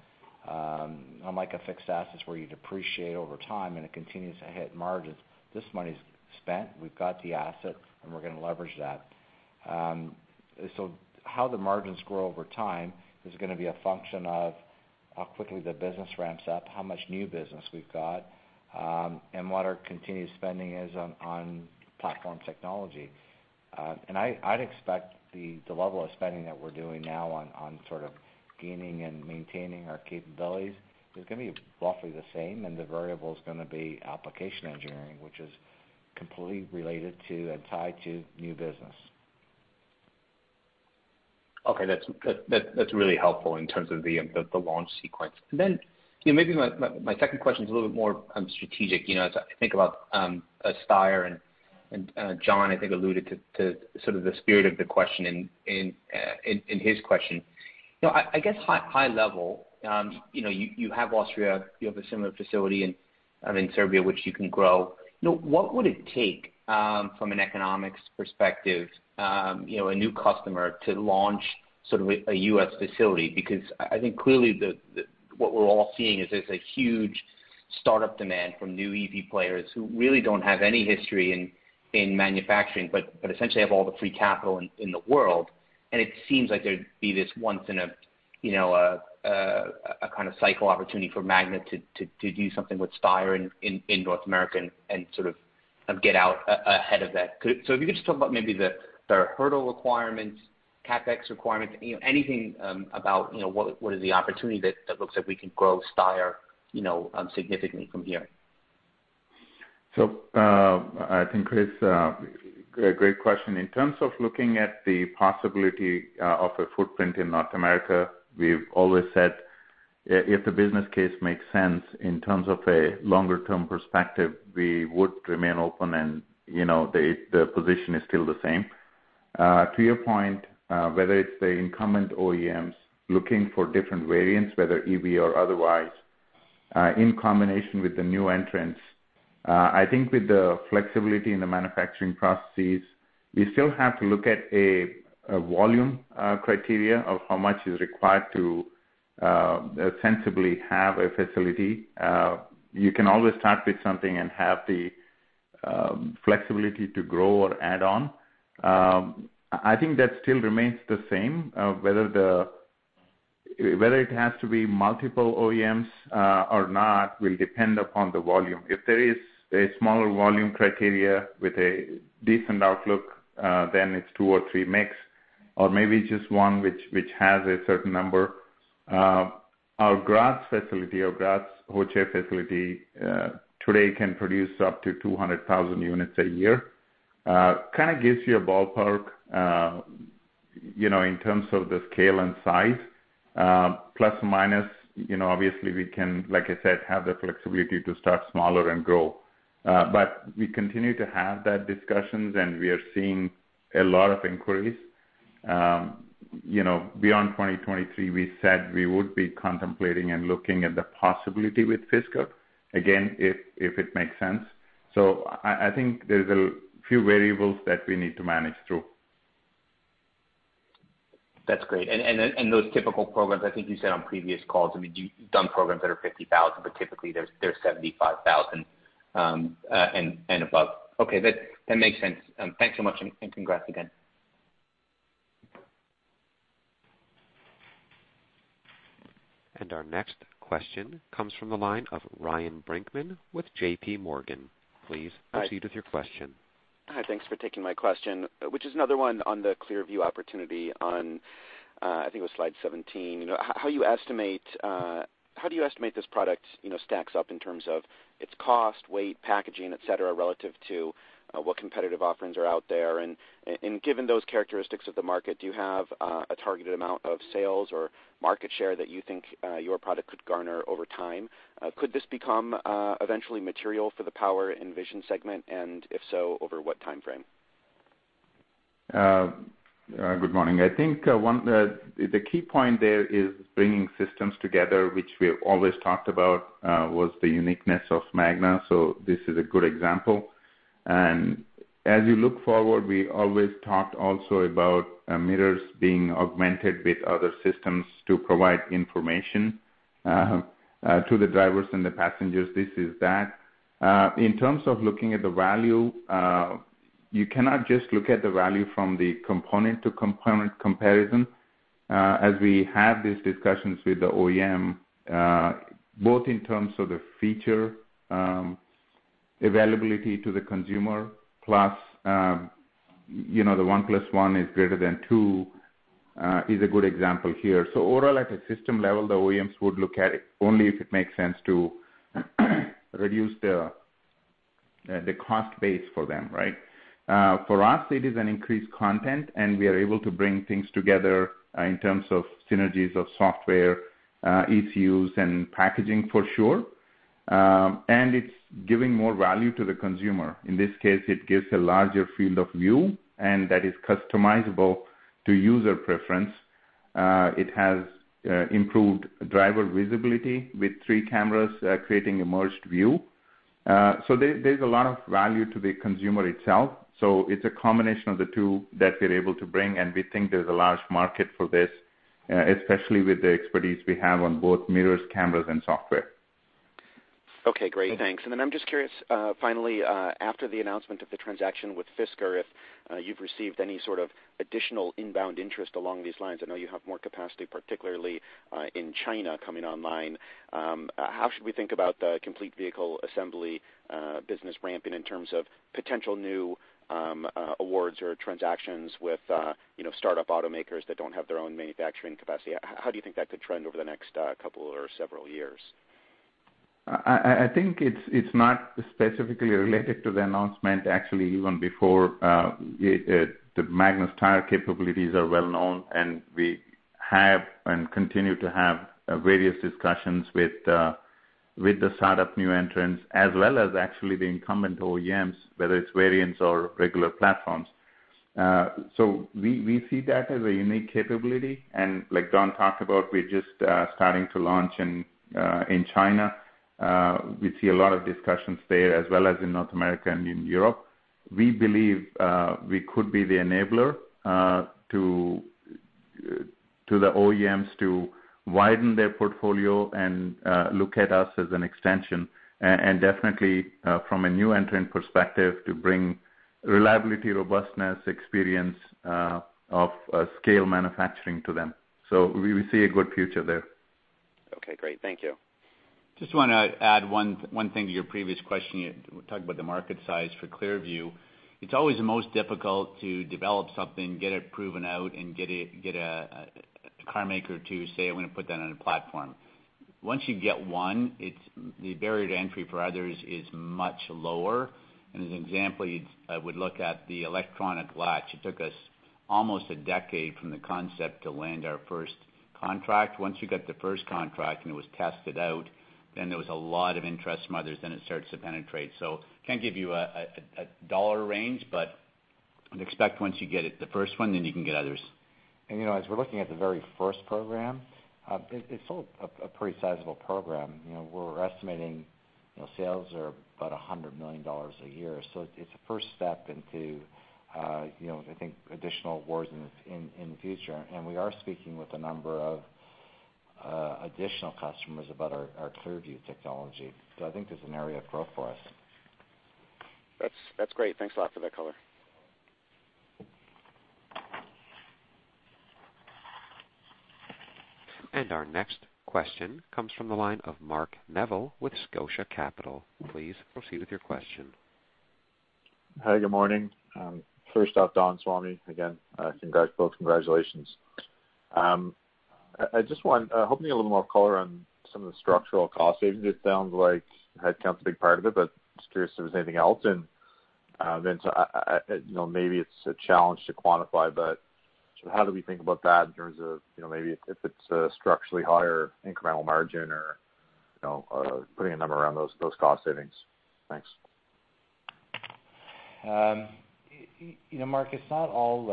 Unlike a fixed asset where you depreciate over time and it continues to hit margins, this money's spent. We've got the asset, and we're going to leverage that. How the margins grow over time is going to be a function of how quickly the business ramps up, how much new business we've got, and what our continued spending is on platform technology. I'd expect the level of spending that we're doing now on sort of gaining and maintaining our capabilities is going to be roughly the same. The variable is going to be application engineering, which is completely related to and tied to new business. Okay. That's really helpful in terms of the launch sequence. Maybe my second question is a little bit more strategic. As I think about ESTIR and John, I think alluded to sort of the spirit of the question in his question. I guess high level, you have Austria. You have a similar facility in Serbia, which you can grow. What would it take from an economics perspective, a new customer, to launch sort of a U.S. facility? I think clearly what we're all seeing is there's a huge startup demand from new EV players who really do not have any history in manufacturing, but essentially have all the free capital in the world. It seems like there would be this once-in-a-kind-of-cycle opportunity for Magna to do something with ESTIR in North America and sort of get out ahead of that. If you could just talk about maybe the hurdle requirements, CapEx requirements, anything about what is the opportunity that looks like we can grow ESTIR significantly from here? I think, Chris, a great question. In terms of looking at the possibility of a footprint in North America, we've always said if the business case makes sense in terms of a longer-term perspective, we would remain open. The position is still the same. To your point, whether it's the incumbent OEMs looking for different variants, whether EV or otherwise, in combination with the new entrants, I think with the flexibility in the manufacturing processes, we still have to look at a volume criteria of how much is required to sensibly have a facility. You can always start with something and have the flexibility to grow or add on. I think that still remains the same. Whether it has to be multiple OEMs or not will depend upon the volume. If there is a smaller volume criteria with a decent outlook, then it's two or three mix, or maybe just one which has a certain number. Our Graz facility or Graz Hochef facility today can produce up to 200,000 units a year. Kind of gives you a ballpark in terms of the scale and size, plus or minus. Obviously, we can, like I said, have the flexibility to start smaller and grow. We continue to have that discussions, and we are seeing a lot of inquiries. Beyond 2023, we said we would be contemplating and looking at the possibility with Fisker, again, if it makes sense. I think there's a few variables that we need to manage through. That's great. Those typical programs, I think you said on previous calls, I mean, you've done programs that are 50,000, but typically they're 75,000 and above. Okay. That makes sense. Thanks so much, and congrats again. Our next question comes from the line of Ryan Brinkman with J.P. Morgan. Please proceed with your question. Hi. Thanks for taking my question, which is another one on the Clearview opportunity on, I think it was slide 17. How do you estimate this product stacks up in terms of its cost, weight, packaging, etc., relative to what competitive offerings are out there? Given those characteristics of the market, do you have a targeted amount of sales or market share that you think your product could garner over time? Could this become eventually material for the Power and Vision segment? If so, over what time frame? Good morning. I think the key point there is bringing systems together, which we always talked about was the uniqueness of Magna. This is a good example. As you look forward, we always talked also about mirrors being augmented with other systems to provide information to the drivers and the passengers. This is that. In terms of looking at the value, you cannot just look at the value from the component-to-component comparison. As we have these discussions with the OEM, both in terms of the feature availability to the consumer, plus the one plus one is greater than two is a good example here. Overall, at a system level, the OEMs would look at it only if it makes sense to reduce the cost base for them, right? For us, it is an increased content, and we are able to bring things together in terms of synergies of software, ECUs, and packaging for sure. It is giving more value to the consumer. In this case, it gives a larger field of view, and that is customizable to user preference. It has improved driver visibility with three cameras creating a merged view. There is a lot of value to the consumer itself. It is a combination of the two that we are able to bring. We think there is a large market for this, especially with the expertise we have on both mirrors, cameras, and software. Okay. Great. Thanks. I am just curious, finally, after the announcement of the transaction with Fisker, if you've received any sort of additional inbound interest along these lines. I know you have more capacity, particularly in China coming online. How should we think about the complete vehicle assembly business ramping in terms of potential new awards or transactions with startup automakers that do not have their own manufacturing capacity? How do you think that could trend over the next couple or several years? I think it's not specifically related to the announcement. Actually, even before, Magna's tire capabilities are well known, and we have and continue to have various discussions with the startup new entrants, as well as actually the incumbent OEMs, whether it's variants or regular platforms. We see that as a unique capability. Like Don talked about, we're just starting to launch in China. We see a lot of discussions there, as well as in North America and in Europe. We believe we could be the enabler to the OEMs to widen their portfolio and look at us as an extension, and definitely from a new entrant perspective, to bring reliability, robustness, experience of scale manufacturing to them. We see a good future there. Okay. Great. Thank you. Just want to add one thing to your previous question. We talked about the market size for Clearview. It's always the most difficult to develop something, get it proven out, and get a car maker to say, "I want to put that on a platform." Once you get one, the barrier to entry for others is much lower. As an example, I would look at the electronic latch. It took us almost a decade from the concept to land our first contract. Once you got the first contract and it was tested out, there was a lot of interest from others. It starts to penetrate. I can't give you a dollar range, but expect once you get the first one, you can get others. As we're looking at the very first program, it's still a pretty sizable program. We're estimating sales are about $100 million a year. It's a first step into, I think, additional awards in the future. We are speaking with a number of additional customers about our Clearview technology. I think there's an area of growth for us. That's great. Thanks a lot for that color. Our next question comes from the line of Mark Neville with Scotia Capital. Please proceed with your question. Hi. Good morning. First off, Don, Swamy, again, congrats folks. Congratulations. I just want to hopefully get a little more color on some of the structural cost savings. It sounds like headcount's a big part of it, but I'm just curious if there's anything else. Maybe it's a challenge to quantify, but how do we think about that in terms of maybe if it's a structurally higher incremental margin or putting a number around those cost savings? Thanks. Mark, it's not all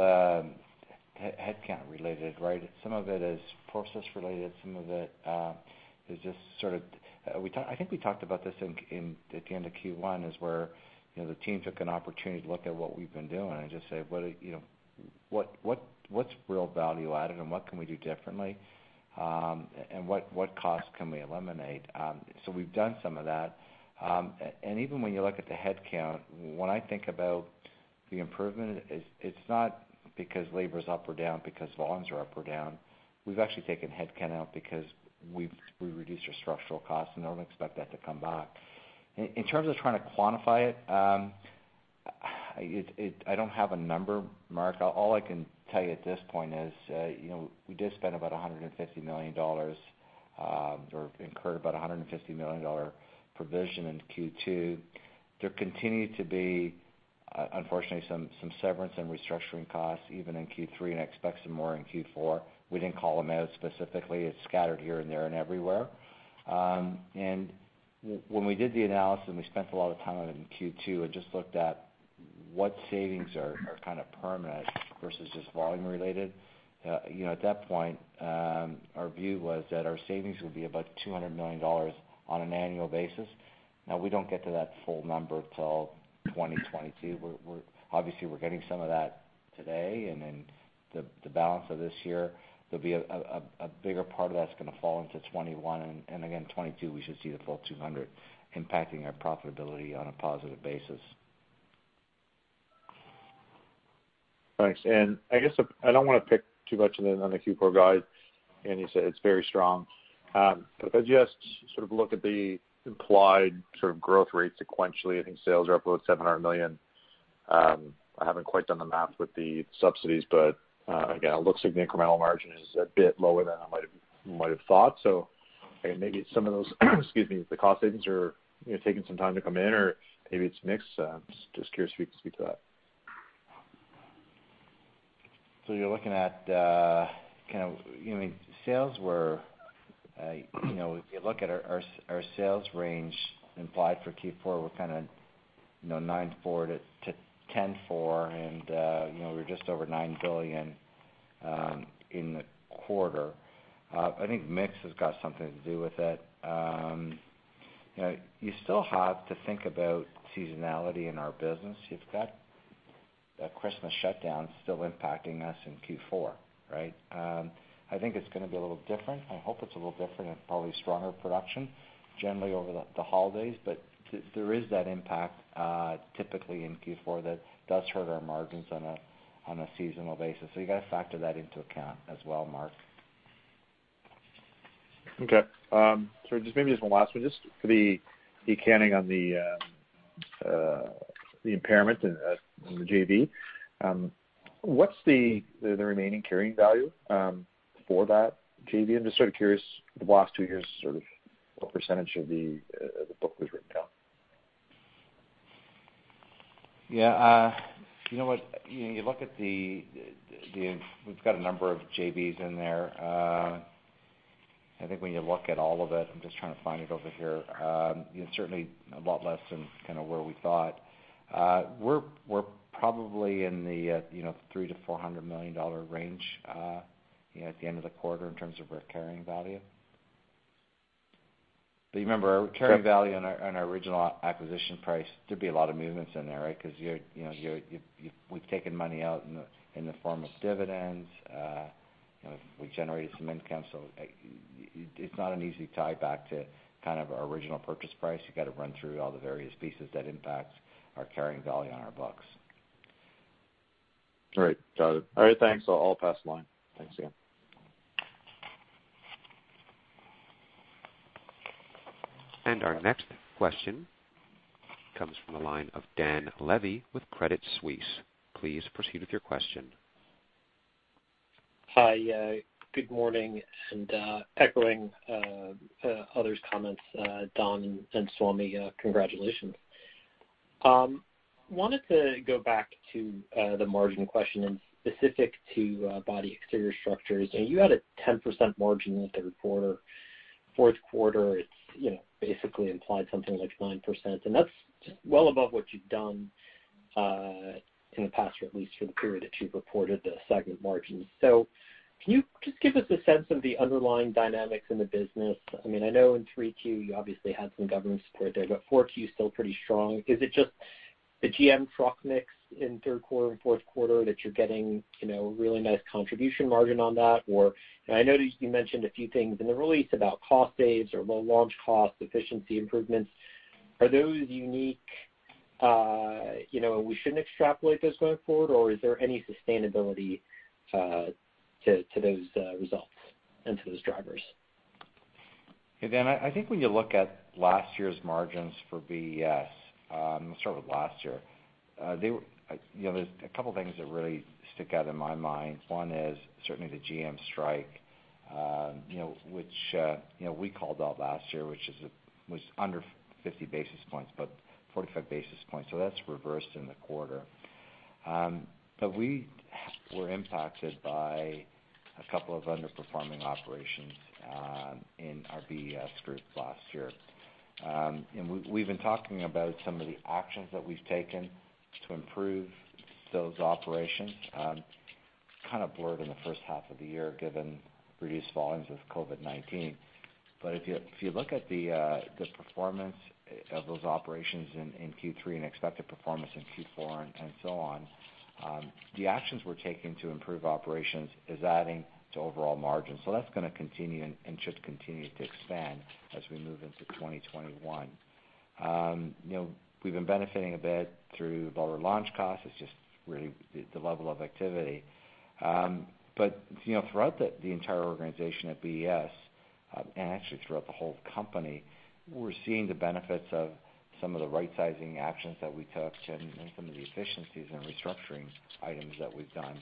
headcount related, right? Some of it is process related. Some of it is just sort of I think we talked about this at the end of Q1, is where the team took an opportunity to look at what we've been doing and just say, "What's real value added and what can we do differently? And what costs can we eliminate?" We’ve done some of that. Even when you look at the headcount, when I think about the improvement, it's not because labor's up or down, because volumes are up or down. We've actually taken headcount out because we reduced our structural costs, and I don't expect that to come back. In terms of trying to quantify it, I don't have a number, Mark. All I can tell you at this point is we did spend about $150 million or incurred about a $150 million provision in Q2. There continues to be, unfortunately, some severance and restructuring costs even in Q3, and I expect some more in Q4. We did not call them out specifically. It is scattered here and there and everywhere. When we did the analysis, and we spent a lot of time on it in Q2 and just looked at what savings are kind of permanent versus just volume related, at that point, our view was that our savings would be about $200 million on an annual basis. Now, we do not get to that full number until 2022. Obviously, we are getting some of that today, and then the balance of this year, there will be a bigger part of that that is going to fall into 2021. In 2022, we should see the full 200 impacting our profitability on a positive basis. Thanks. I guess I do not want to pick too much on the Q4 guide. You said it is very strong. If I just sort of look at the implied sort of growth rate sequentially, I think sales are up about $700 million. I have not quite done the math with the subsidies, but again, it looks like the incremental margin is a bit lower than I might have thought. Maybe some of those—excuse me—the cost savings are taking some time to come in, or maybe it is mixed. Just curious if you can speak to that. You're looking at kind of sales where, if you look at our sales range implied for Q4, we're kind of 9.4-10.4, and we're just over $9 billion in the quarter. I think mix has got something to do with it. You still have to think about seasonality in our business. You've got Christmas shutdowns still impacting us in Q4, right? I think it's going to be a little different. I hope it's a little different and probably stronger production generally over the holidays. There is that impact typically in Q4 that does hurt our margins on a seasonal basis. You have to factor that into account as well, Mark. Okay. Sorry. Just maybe as one last one, just for the accounting on the impairment and the JV, what's the remaining carrying value for that JV? I'm just sort of curious, the last two years sort of what % of the book was written down? Yeah. You know what? You look at the—we've got a number of JVs in there. I think when you look at all of it, I'm just trying to find it over here, certainly a lot less than kind of where we thought. We're probably in the $300 million-$400 million range at the end of the quarter in terms of our carrying value. But you remember our carrying value and our original acquisition price, there'd be a lot of movements in there, right? Because we've taken money out in the form of dividends. We generated some income. It's not an easy tie back to kind of our original purchase price. You got to run through all the various pieces that impact our carrying value on our books. All right. Got it. All right. Thanks. I'll pass the line. Thanks again. Our next question comes from the line of Dan Levy with Credit Suisse. Please proceed with your question. Hi. Good morning. Echoing others' comments, Don and Swamy, congratulations. Wanted to go back to the margin question specific to body exterior structures. You had a 10% margin in the third quarter. Fourth quarter, it's basically implied something like 9%. That's well above what you've done in the past, or at least for the period that you've reported the segment margins. Can you just give us a sense of the underlying dynamics in the business? I mean, I know in 3Q, you obviously had some governance support there, but 4Q is still pretty strong. Is it just the GM truck mix in third quarter and fourth quarter that you're getting a really nice contribution margin on that? I know you mentioned a few things in the release about cost saves or low launch costs, efficiency improvements. Are those unique? We shouldn't extrapolate those going forward, or is there any sustainability to those results and to those drivers? Yeah. I think when you look at last year's margins for VES, we'll start with last year. There's a couple of things that really stick out in my mind. One is certainly the GM strike, which we called out last year, which was under 50 basis points, but 45 basis points. That has reversed in the quarter. We were impacted by a couple of underperforming operations in our VES group last year. We've been talking about some of the actions that we've taken to improve those operations. Kind of blurred in the first half of the year given reduced volumes with COVID-19. If you look at the performance of those operations in Q3 and expected performance in Q4 and so on, the actions we're taking to improve operations is adding to overall margins. That's going to continue and should continue to expand as we move into 2021. We've been benefiting a bit through lower launch costs. It's just really the level of activity. Throughout the entire organization at VES, and actually throughout the whole company, we're seeing the benefits of some of the right-sizing actions that we took and some of the efficiencies and restructuring items that we've done.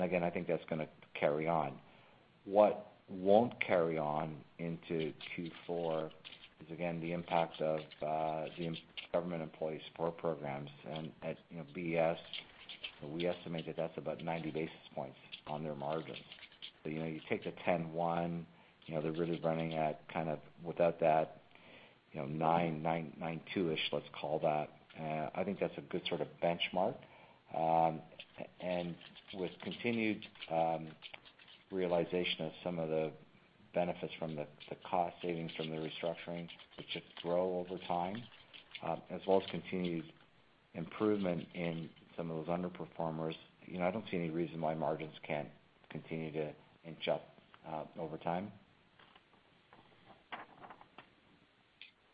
Again, I think that's going to carry on. What will not carry on into Q4 is, again, the impact of the government employee support programs. At VES, we estimate that that's about 90 basis points on their margins. You take the 10-1, they're really running at kind of without that 9-9-2-ish, let's call that. I think that's a good sort of benchmark. With continued realization of some of the benefits from the cost savings from the restructuring, which should grow over time, as well as continued improvement in some of those underperformers, I do not see any reason why margins cannot continue to inch up over time.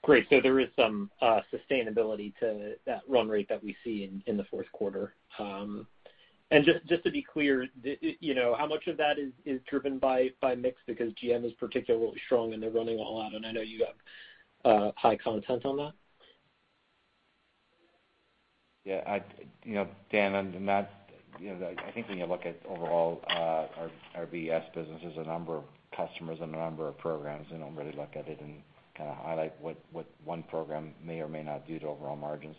Great. There is some sustainability to that run rate that we see in the fourth quarter. Just to be clear, how much of that is driven by mix? Because GM is particularly strong and they're running all out. I know you have high content on that. Yeah. Dan, on that, I think when you look at overall our VES business, there's a number of customers and a number of programs. I really look at it and kind of highlight what one program may or may not do to overall margins.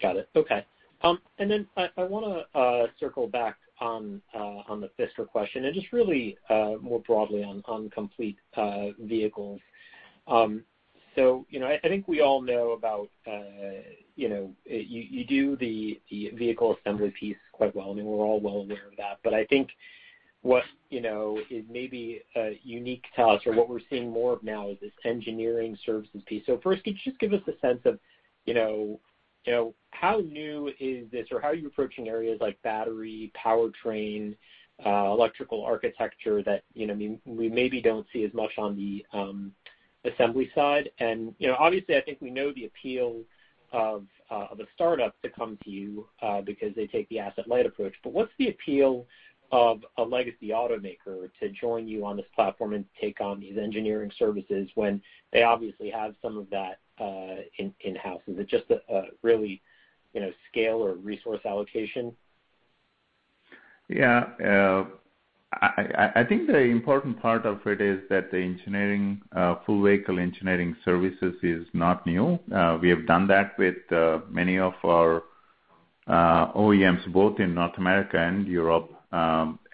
Got it. Okay. I want to circle back on the FISTRA question and just really more broadly on complete vehicles. I think we all know about you do the vehicle assembly piece quite well. I mean, we're all well aware of that. I think what is maybe unique to us or what we're seeing more of now is this engineering services piece. First, could you just give us a sense of how new is this or how are you approaching areas like battery, powertrain, electrical architecture that we maybe don't see as much on the assembly side? Obviously, I think we know the appeal of a startup to come to you because they take the asset-light approach. What is the appeal of a legacy automaker to join you on this platform and take on these engineering services when they obviously have some of that in-house? Is it just really scale or resource allocation? Yeah. I think the important part of it is that the engineering, full-vehicle engineering services, is not new. We have done that with many of our OEMs, both in North America and Europe,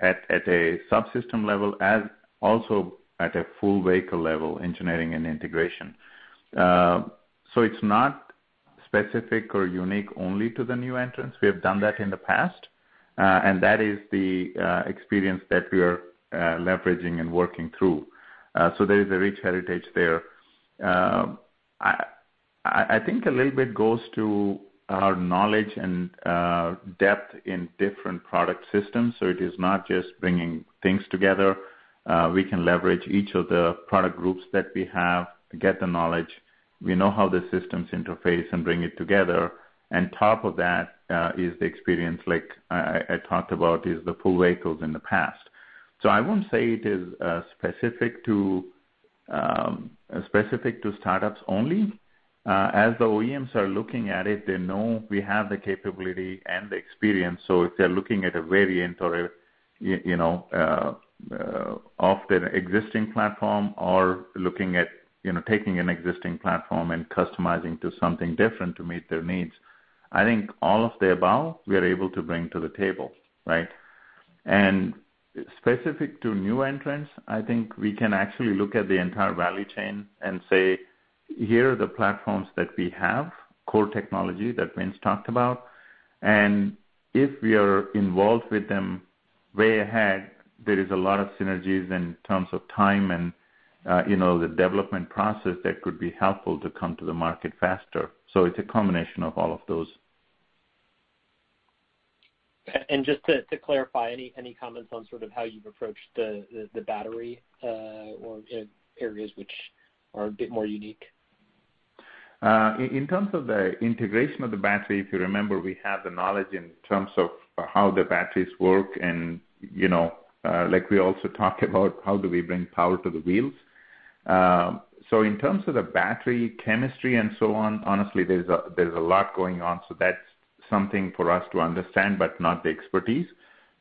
at a subsystem level, also at a full-vehicle level engineering and integration. It is not specific or unique only to the new entrants. We have done that in the past. That is the experience that we are leveraging and working through. There is a rich heritage there. I think a little bit goes to our knowledge and depth in different product systems. It is not just bringing things together. We can leverage each of the product groups that we have, get the knowledge. We know how the systems interface and bring it together. On top of that is the experience, like I talked about, is the full-vehicles in the past. I will not say it is specific to startups only. As the OEMs are looking at it, they know we have the capability and the experience. If they are looking at a variant of the existing platform or looking at taking an existing platform and customizing to something different to meet their needs, I think all of the above, we are able to bring to the table, right? Specific to new entrants, I think we can actually look at the entire value chain and say, "Here are the platforms that we have, core technology that Vince talked about." If we are involved with them way ahead, there is a lot of synergies in terms of time and the development process that could be helpful to come to the market faster. It is a combination of all of those. Just to clarify, any comments on sort of how you've approached the battery or areas which are a bit more unique? In terms of the integration of the battery, if you remember, we have the knowledge in terms of how the batteries work. We also talk about how do we bring power to the wheels. In terms of the battery chemistry and so on, honestly, there's a lot going on. That is something for us to understand, but not the expertise.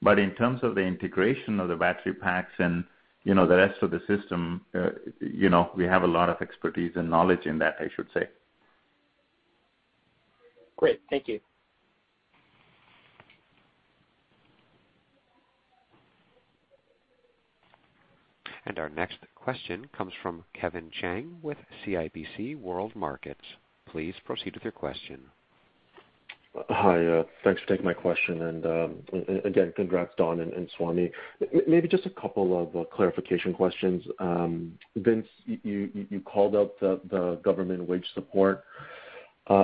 In terms of the integration of the battery packs and the rest of the system, we have a lot of expertise and knowledge in that, I should say. Great. Thank you. Our next question comes from Kevin Chang with CIBC World Markets. Please proceed with your question. Hi. Thanks for taking my question. Again, congrats, Don and Swamy. Maybe just a couple of clarification questions. Vince, you called out the government wage support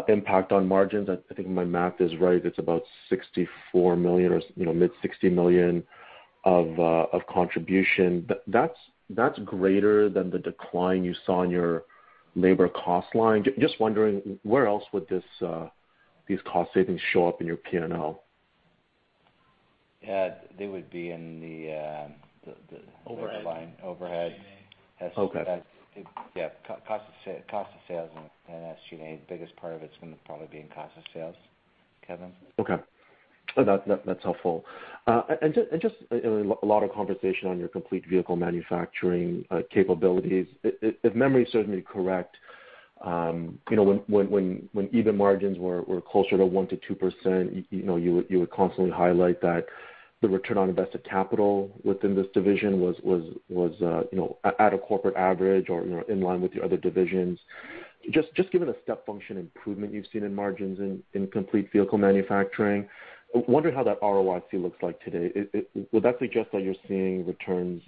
impact on margins. I think my math is right. It's about $64 million or mid-$60 million of contribution. That's greater than the decline you saw in your labor cost line. Just wondering, where else would these cost savings show up in your P&L? Yeah. They would be in the overhead SG&A. Yeah. Cost of sales and SG&A, the biggest part of it is going to probably be in cost of sales, Kevin. Okay. That's helpful. Just a lot of conversation on your complete vehicle manufacturing capabilities. If memory serves me correct, when even margins were closer to 1-2%, you would constantly highlight that the return on invested capital within this division was at a corporate average or in line with your other divisions. Just given the step function improvement you've seen in margins in complete vehicle manufacturing, I wonder how that ROIC looks like today. Would that suggest that you're seeing returns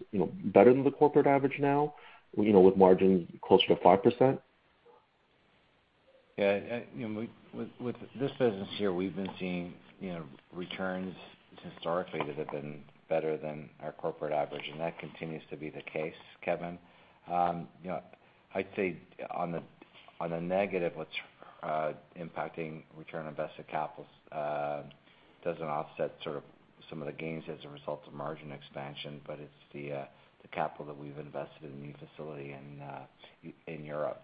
better than the corporate average now with margins closer to 5%? Yeah. With this business here, we've been seeing returns historically that have been better than our corporate average. That continues to be the case, Kevin. I'd say on the negative, what's impacting return on invested capital doesn't offset sort of some of the gains as a result of margin expansion, but it's the capital that we've invested in the new facility in Europe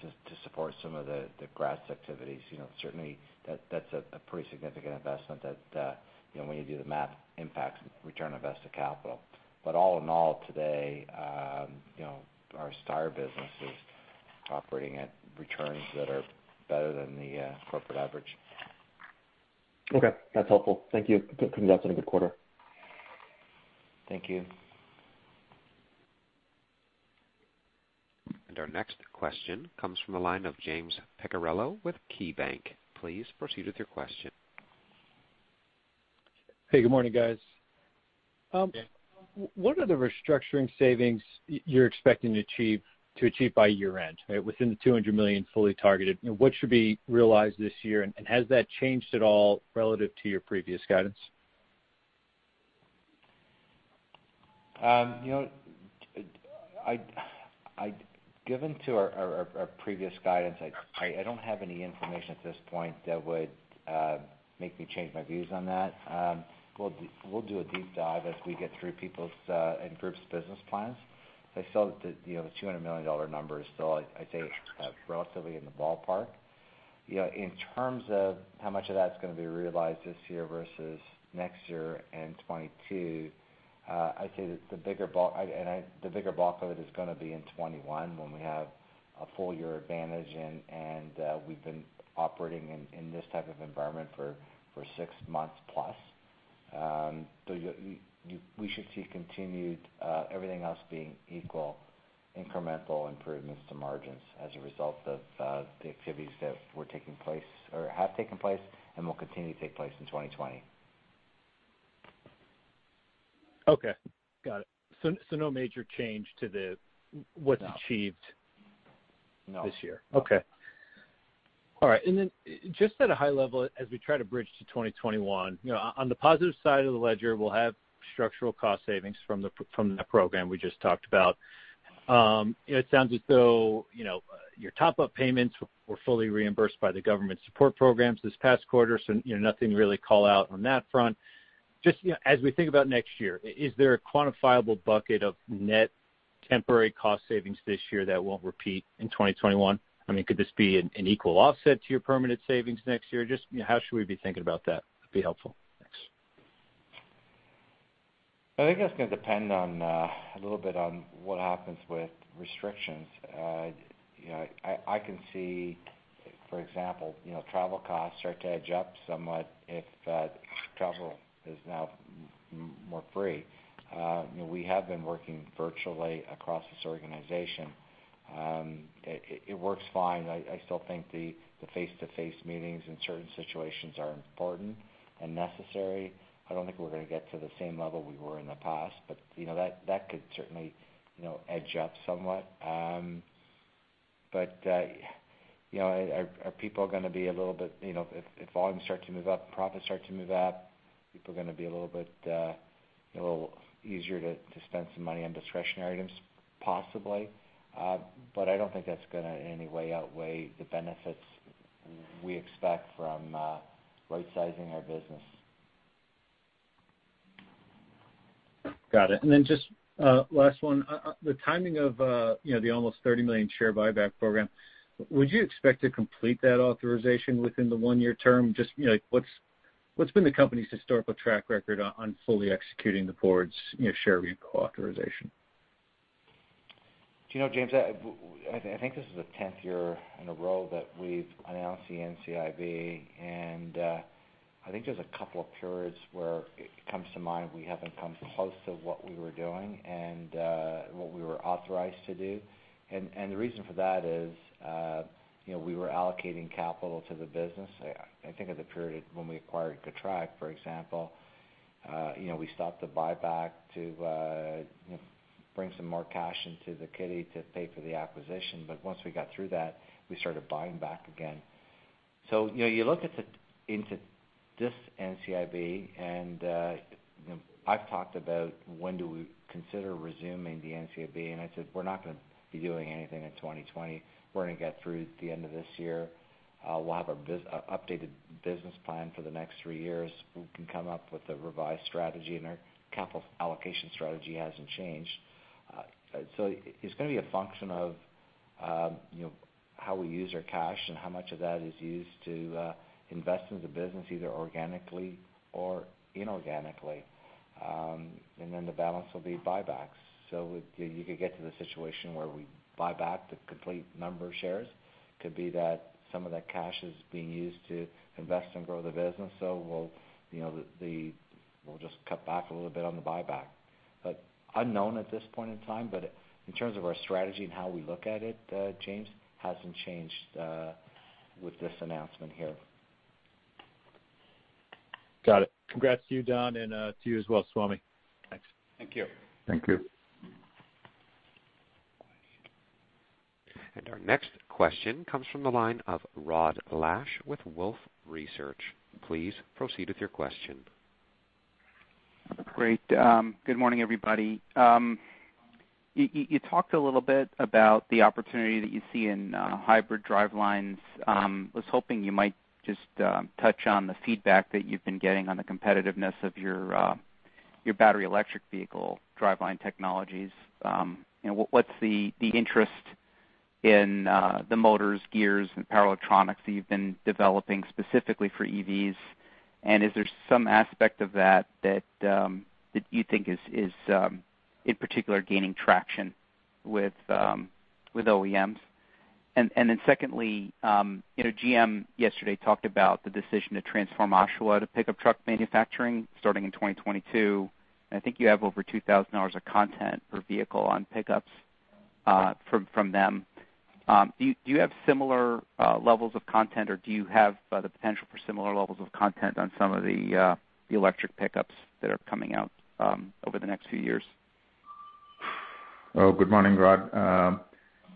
to support some of the Graz activities. Certainly, that's a pretty significant investment that, when you do the math, impacts return on invested capital. All in all today, our STAR business is operating at returns that are better than the corporate average. Okay. That's helpful. Thank you. Congrats on a good quarter. Thank you. Our next question comes from the line of James Picariello with KeyBank. Please proceed with your question. Hey, good morning, guys. What are the restructuring savings you're expecting to achieve by year-end within the $200 million fully targeted? What should be realized this year? Has that changed at all relative to your previous guidance? Given to our previous guidance, I don't have any information at this point that would make me change my views on that. We'll do a deep dive as we get through people's and groups' business plans. I still have the $200 million number. Still, I'd say relatively in the ballpark. In terms of how much of that's going to be realized this year versus next year and 2022, I'd say the bigger bulk of it is going to be in 2021 when we have a full year advantage. We've been operating in this type of environment for six months plus. We should see, everything else being equal, incremental improvements to margins as a result of the activities that were taking place or have taken place and will continue to take place in 2020. Okay. Got it. No major change to what's achieved this year. No. Okay. All right. At a high level, as we try to bridge to 2021, on the positive side of the ledger, we'll have structural cost savings from that program we just talked about. It sounds as though your top-up payments were fully reimbursed by the government support programs this past quarter. Nothing really to call out on that front. As we think about next year, is there a quantifiable bucket of net temporary cost savings this year that will not repeat in 2021? I mean, could this be an equal offset to your permanent savings next year? How should we be thinking about that? That would be helpful. Next. I think that's going to depend a little bit on what happens with restrictions. I can see, for example, travel costs start to edge up somewhat if travel is now more free. We have been working virtually across this organization. It works fine. I still think the face-to-face meetings in certain situations are important and necessary. I don't think we're going to get to the same level we were in the past. That could certainly edge up somewhat. Are people going to be a little bit, if volumes start to move up and profits start to move up, people are going to be a little bit easier to spend some money on discretionary items, possibly. I don't think that's going to in any way outweigh the benefits we expect from right-sizing our business. Got it. And then just last one, the timing of the almost 30 million share buyback program, would you expect to complete that authorization within the one-year term? Just what's been the company's historical track record on fully executing the board's share vehicle authorization? Do you know, James, I think this is the 10th year in a row that we've announced the NCIV. I think there's a couple of periods where it comes to mind we haven't come close to what we were doing and what we were authorized to do. The reason for that is we were allocating capital to the business. I think of the period when we acquired Getrag, for example. We stopped the buyback to bring some more cash into the kitty to pay for the acquisition. Once we got through that, we started buying back again. You look into this NCIV, and I've talked about when do we consider resuming the NCIV. I said, "We're not going to be doing anything in 2020. We're going to get through the end of this year. We'll have an updated business plan for the next three years. We can come up with a revised strategy. Our capital allocation strategy has not changed. It is going to be a function of how we use our cash and how much of that is used to invest in the business either organically or inorganically. The balance will be buybacks. You could get to the situation where we buy back the complete number of shares. It could be that some of that cash is being used to invest and grow the business. We will just cut back a little bit on the buyback. Unknown at this point in time. In terms of our strategy and how we look at it, James, it has not changed with this announcement here. Got it. Congrats to you, Don, and to you as well, Swamy. Thanks. Thank you. Thank you. Our next question comes from the line of Rod Lache with Wolfe Research. Please proceed with your question. Great. Good morning, everybody. You talked a little bit about the opportunity that you see in hybrid drivelines. I was hoping you might just touch on the feedback that you've been getting on the competitiveness of your battery electric vehicle driveline technologies. What's the interest in the motors, gears, and power electronics that you've been developing specifically for EVs? Is there some aspect of that that you think is, in particular, gaining traction with OEMs? Secondly, GM yesterday talked about the decision to transform Oshawa to pickup truck manufacturing starting in 2022. I think you have over $2,000 of content per vehicle on pickups from them. Do you have similar levels of content, or do you have the potential for similar levels of content on some of the electric pickups that are coming out over the next few years? Oh, good morning, Rod.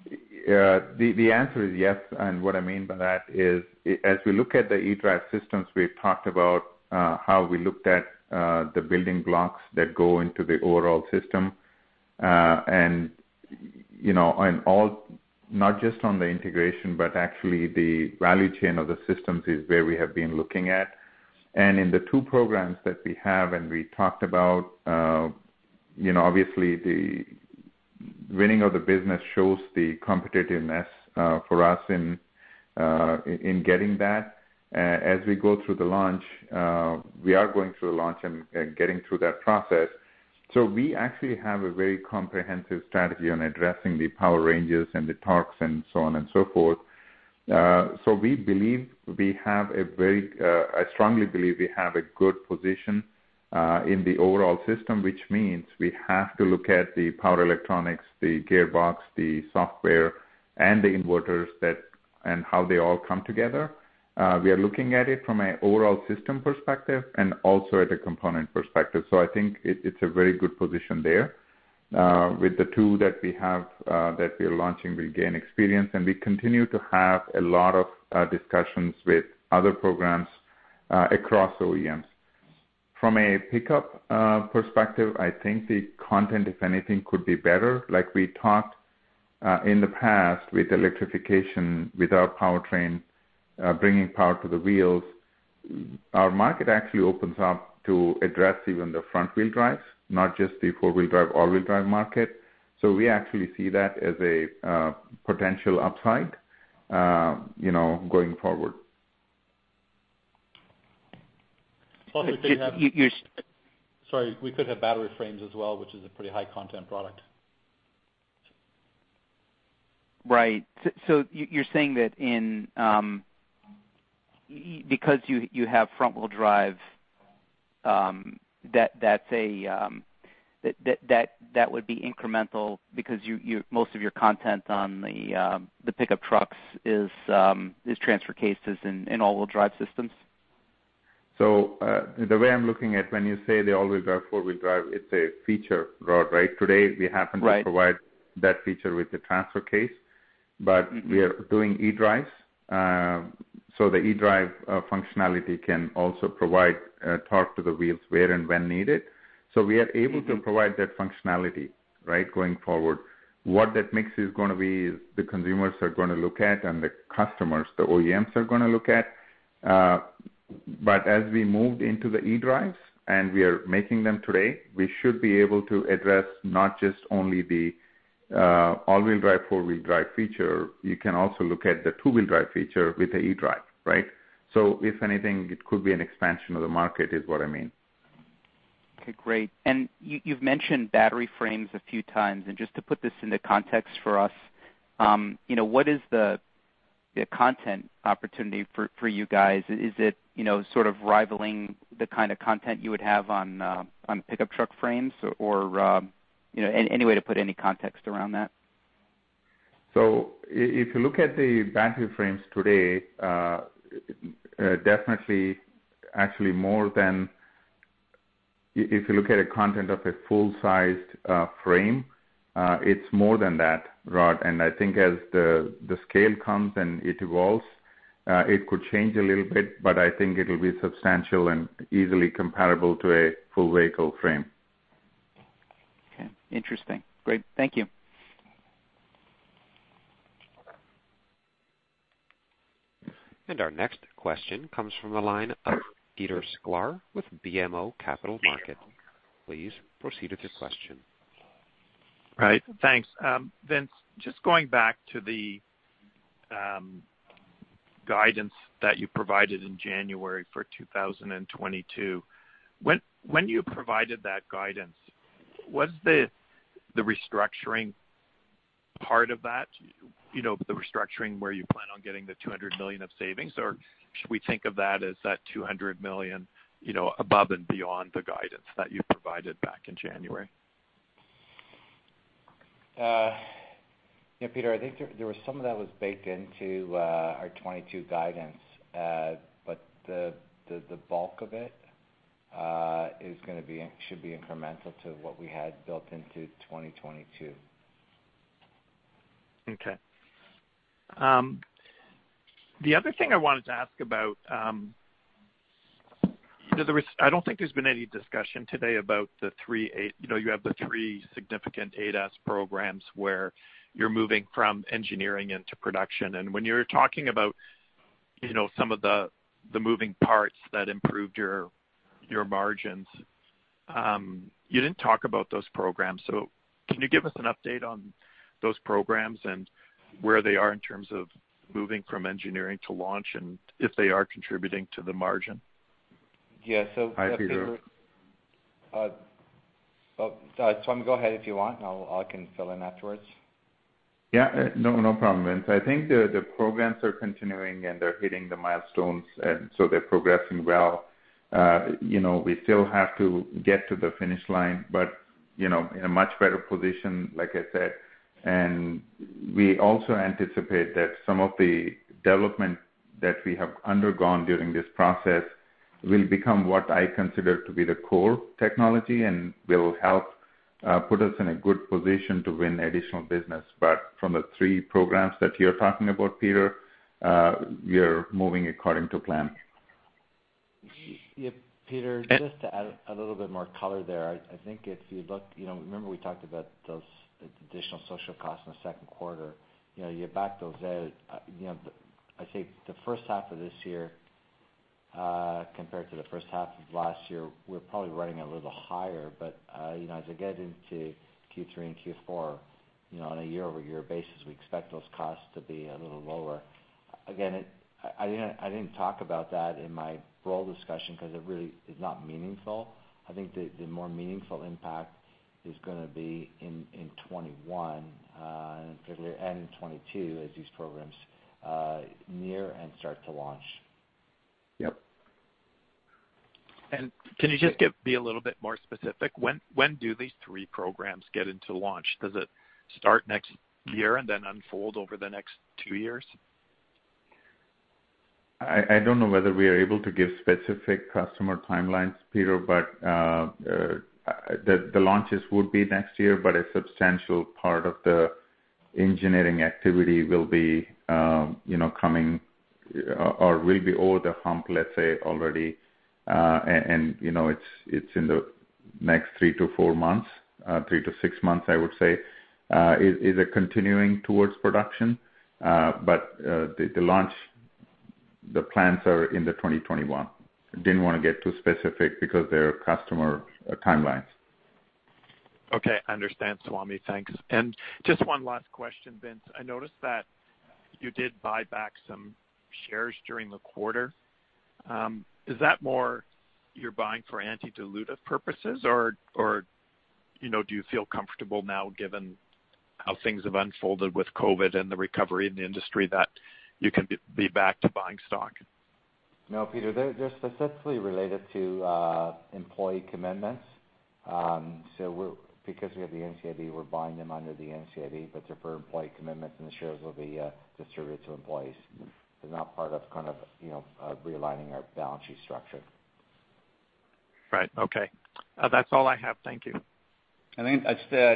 The answer is yes. What I mean by that is, as we look at the eDrive systems, we've talked about how we looked at the building blocks that go into the overall system. Not just on the integration, but actually the value chain of the systems is where we have been looking at. In the two programs that we have and we talked about, obviously, the winning of the business shows the competitiveness for us in getting that. As we go through the launch, we are going through the launch and getting through that process. We actually have a very comprehensive strategy on addressing the power ranges and the torques and so on and so forth. We believe we have a very, I strongly believe we have a good position in the overall system, which means we have to look at the power electronics, the gearbox, the software, and the inverters and how they all come together. We are looking at it from an overall system perspective and also at a component perspective. I think it's a very good position there. With the two that we have that we are launching, we gain experience. We continue to have a lot of discussions with other programs across OEMs. From a pickup perspective, I think the content, if anything, could be better. Like we talked in the past with electrification with our powertrain, bringing power to the wheels, our market actually opens up to address even the front-wheel drives, not just the four-wheel drive, all-wheel drive market. We actually see that as a potential upside going forward. Sorry. We could have battery frames as well, which is a pretty high-content product. Right. So you're saying that because you have front-wheel drive, that would be incremental because most of your content on the pickup trucks is transfer cases in all-wheel drive systems? The way I'm looking at when you say the all-wheel drive, four-wheel drive, it's a feature, Rod, right? Today, we happen to provide that feature with the transfer case. We are doing eDrives. The eDrive functionality can also provide torque to the wheels where and when needed. We are able to provide that functionality, right, going forward. What that mix is going to be is the consumers are going to look at and the customers, the OEMs are going to look at. As we moved into the eDrives and we are making them today, we should be able to address not just only the all-wheel drive, four-wheel drive feature. You can also look at the two-wheel drive feature with the eDrive, right? If anything, it could be an expansion of the market is what I mean. Okay. Great. You have mentioned battery frames a few times. Just to put this into context for us, what is the content opportunity for you guys? Is it sort of rivaling the kind of content you would have on pickup truck frames or any way to put any context around that? If you look at the battery frames today, actually more than if you look at the content of a full-sized frame, it is more than that, Rod. I think as the scale comes and it evolves, it could change a little bit. I think it will be substantial and easily comparable to a full-vehicle frame. Okay. Interesting. Great. Thank you. Our next question comes from the line of Peter Sklar with BMO Capital Market. Please proceed with your question. All right. Thanks. Vince, just going back to the guidance that you provided in January for 2022, when you provided that guidance, was the restructuring part of that, the restructuring where you plan on getting the $200 million of savings, or should we think of that as that $200 million above and beyond the guidance that you provided back in January? Yeah, Peter, I think there was some of that was baked into our 2022 guidance. But the bulk of it should be incremental to what we had built into 2022. Okay. The other thing I wanted to ask about, I do not think there has been any discussion today about the three, you have the three significant ADAS programs where you are moving from engineering into production. When you were talking about some of the moving parts that improved your margins, you did not talk about those programs. Can you give us an update on those programs and where they are in terms of moving from engineering to launch and if they are contributing to the margin? Yeah. I think. Hi, Peter. Swamy, go ahead if you want. I can fill in afterwards. Yeah. No problem, Vince. I think the programs are continuing, and they're hitting the milestones. They are progressing well. We still have to get to the finish line, but in a much better position, like I said. We also anticipate that some of the development that we have undergone during this process will become what I consider to be the core technology and will help put us in a good position to win additional business. From the three programs that you're talking about, Peter, we are moving according to plan. Yeah, Peter, just to add a little bit more color there, I think if you look, remember we talked about those additional social costs in the second quarter. You back those out. I think the first half of this year compared to the first half of last year, we're probably running a little higher. As we get into Q3 and Q4 on a year-over-year basis, we expect those costs to be a little lower. Again, I didn't talk about that in my role discussion because it really is not meaningful. I think the more meaningful impact is going to be in 2021 and in 2022 as these programs near and start to launch. Yep. Can you just be a little bit more specific? When do these three programs get into launch? Does it start next year and then unfold over the next two years? I don't know whether we are able to give specific customer timelines, Peter, but the launches would be next year. A substantial part of the engineering activity will be coming or will be over the hump, let's say, already. It is in the next three to four months, three to six months, I would say, continuing towards production. The plans are in 2021. I did not want to get too specific because there are customer timelines. Okay. Understand, Swamy. Thanks. Just one last question, Vince. I noticed that you did buy back some shares during the quarter. Is that more you're buying for antediluted purposes, or do you feel comfortable now, given how things have unfolded with COVID and the recovery in the industry, that you can be back to buying stock? No, Peter. They're specifically related to employee commitments. Because we have the NCID, we're buying them under the NCID. They're for employee commitments, and the shares will be distributed to employees. They're not part of realigning our balance sheet structure. Right. Okay. That's all I have. Thank you. I think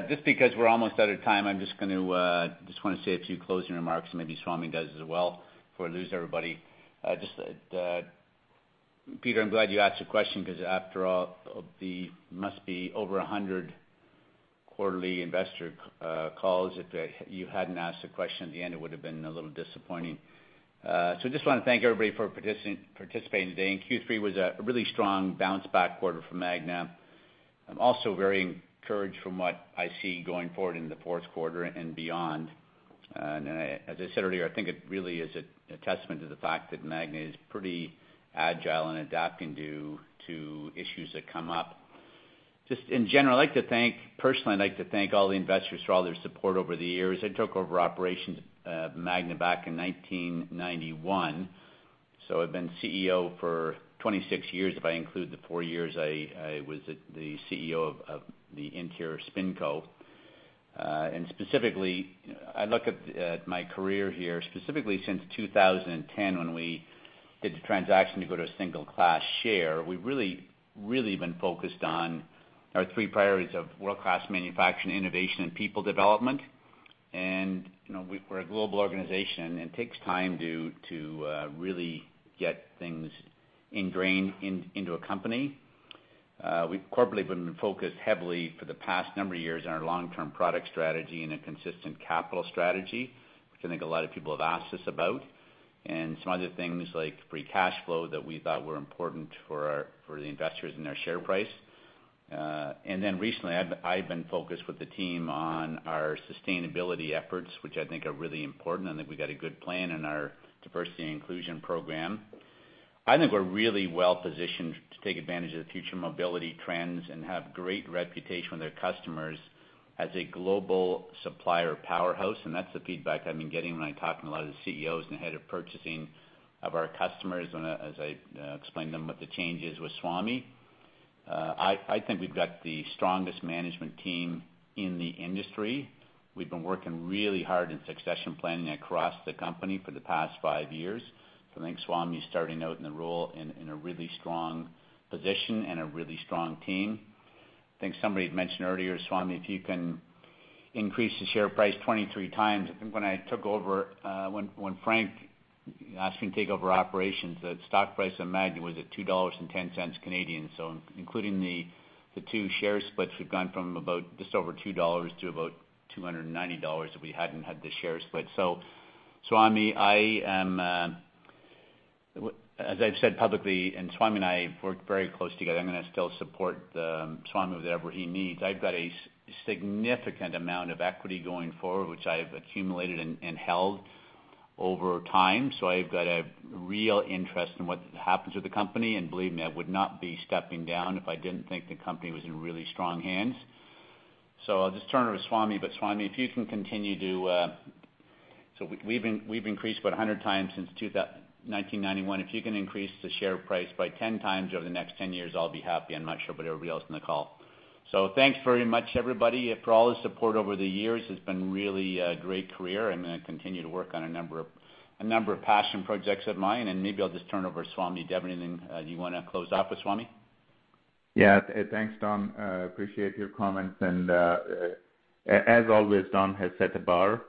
just because we're almost out of time, I'm just going to say a few closing remarks, maybe Swamy does as well before I lose everybody. Peter, I'm glad you asked the question because, after all, there must be over 100 quarterly investor calls. If you hadn't asked the question at the end, it would have been a little disappointing. I just want to thank everybody for participating today. Q3 was a really strong bounce-back quarter for Magna. I'm also very encouraged from what I see going forward in the fourth quarter and beyond. As I said earlier, I think it really is a testament to the fact that Magna is pretty agile and adapting to issues that come up. In general, I'd like to thank personally, I'd like to thank all the investors for all their support over the years. I took over operations of Magna back in 1991. I have been CEO for 26 years, if I include the four years I was the CEO of the Interior SpinCo. Specifically, I look at my career here, specifically since 2010 when we did the transaction to go to a single-class share. We have really, really been focused on our three priorities of world-class manufacturing, innovation, and people development. We are a global organization, and it takes time to really get things ingrained into a company. We have corporately been focused heavily for the past number of years on our long-term product strategy and a consistent capital strategy, which I think a lot of people have asked us about, and some other things like free cash flow that we thought were important for the investors in their share price. Recently, I've been focused with the team on our sustainability efforts, which I think are really important. I think we've got a good plan in our diversity and inclusion program. I think we're really well-positioned to take advantage of the future mobility trends and have a great reputation with our customers as a global supplier powerhouse. That's the feedback I've been getting when I talk to a lot of the CEOs and the head of purchasing of our customers as I explain to them what the change is with Swamy. I think we've got the strongest management team in the industry. We've been working really hard in succession planning across the company for the past five years. I think Swamy is starting out in the role in a really strong position and a really strong team. I think somebody had mentioned earlier, Swamy, if you can increase the share price 23 times. I think when I took over, when Frank asked me to take over operations, the stock price of Magna was at 2.10 dollars. Including the two share splits, we've gone from just over 2 dollars to about 290 dollars if we hadn't had the share split. Swamy, as I've said publicly, and Swamy and I have worked very close together. I'm going to still support Swamy with whatever he needs. I've got a significant amount of equity going forward, which I've accumulated and held over time. I've got a real interest in what happens with the company. Believe me, I would not be stepping down if I didn't think the company was in really strong hands. I'll just turn it over to Swamy. Swamy, if you can continue to, so we've increased about 100 times since 1991. If you can increase the share price by 10 times over the next 10 years, I'll be happy. I'm not sure about everybody else on the call. Thanks very much, everybody, for all the support over the years. It's been a really great career. I'm going to continue to work on a number of passion projects of mine. Maybe I'll just turn it over to Swamy. Devon, do you want to close off with Swamy? Yeah. Thanks, Don. Appreciate your comments. As always, Don has set the bar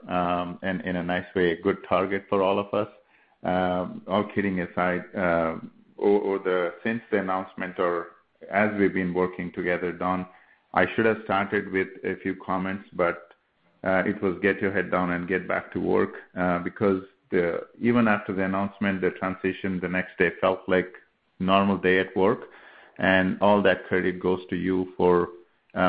in a nice way, a good target for all of us. All kidding aside, since the announcement or as we have been working together, Don, I should have started with a few comments, but it was, "Get your head down and get back to work." Because even after the announcement, the transition the next day felt like a normal day at work. All that credit goes to you for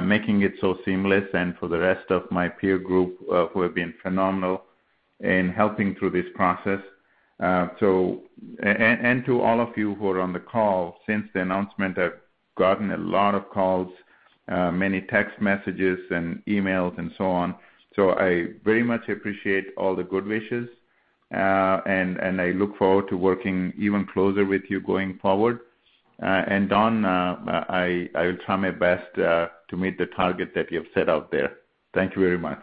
making it so seamless and for the rest of my peer group who have been phenomenal in helping through this process. To all of you who are on the call, since the announcement, I have gotten a lot of calls, many text messages and emails, and so on. I very much appreciate all the good wishes. I look forward to working even closer with you going forward. Don, I will try my best to meet the target that you have set out there. Thank you very much.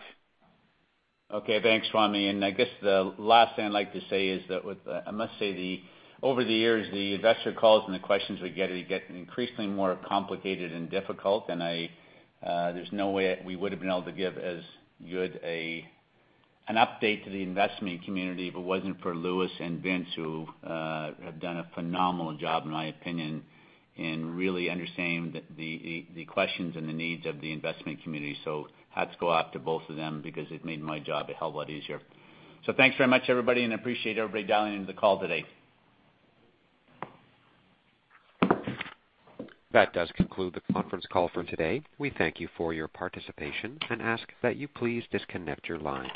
Okay. Thanks, Swamy. I guess the last thing I'd like to say is that I must say, over the years, the investor calls and the questions we get are getting increasingly more complicated and difficult. There's no way we would have been able to give as good an update to the investment community if it wasn't for Louis and Vince, who have done a phenomenal job, in my opinion, in really understanding the questions and the needs of the investment community. Hats go off to both of them because it made my job a hell of a lot easier. Thanks very much, everybody. I appreciate everybody dialing into the call today. That does conclude the conference call for today. We thank you for your participation and ask that you please disconnect your lines.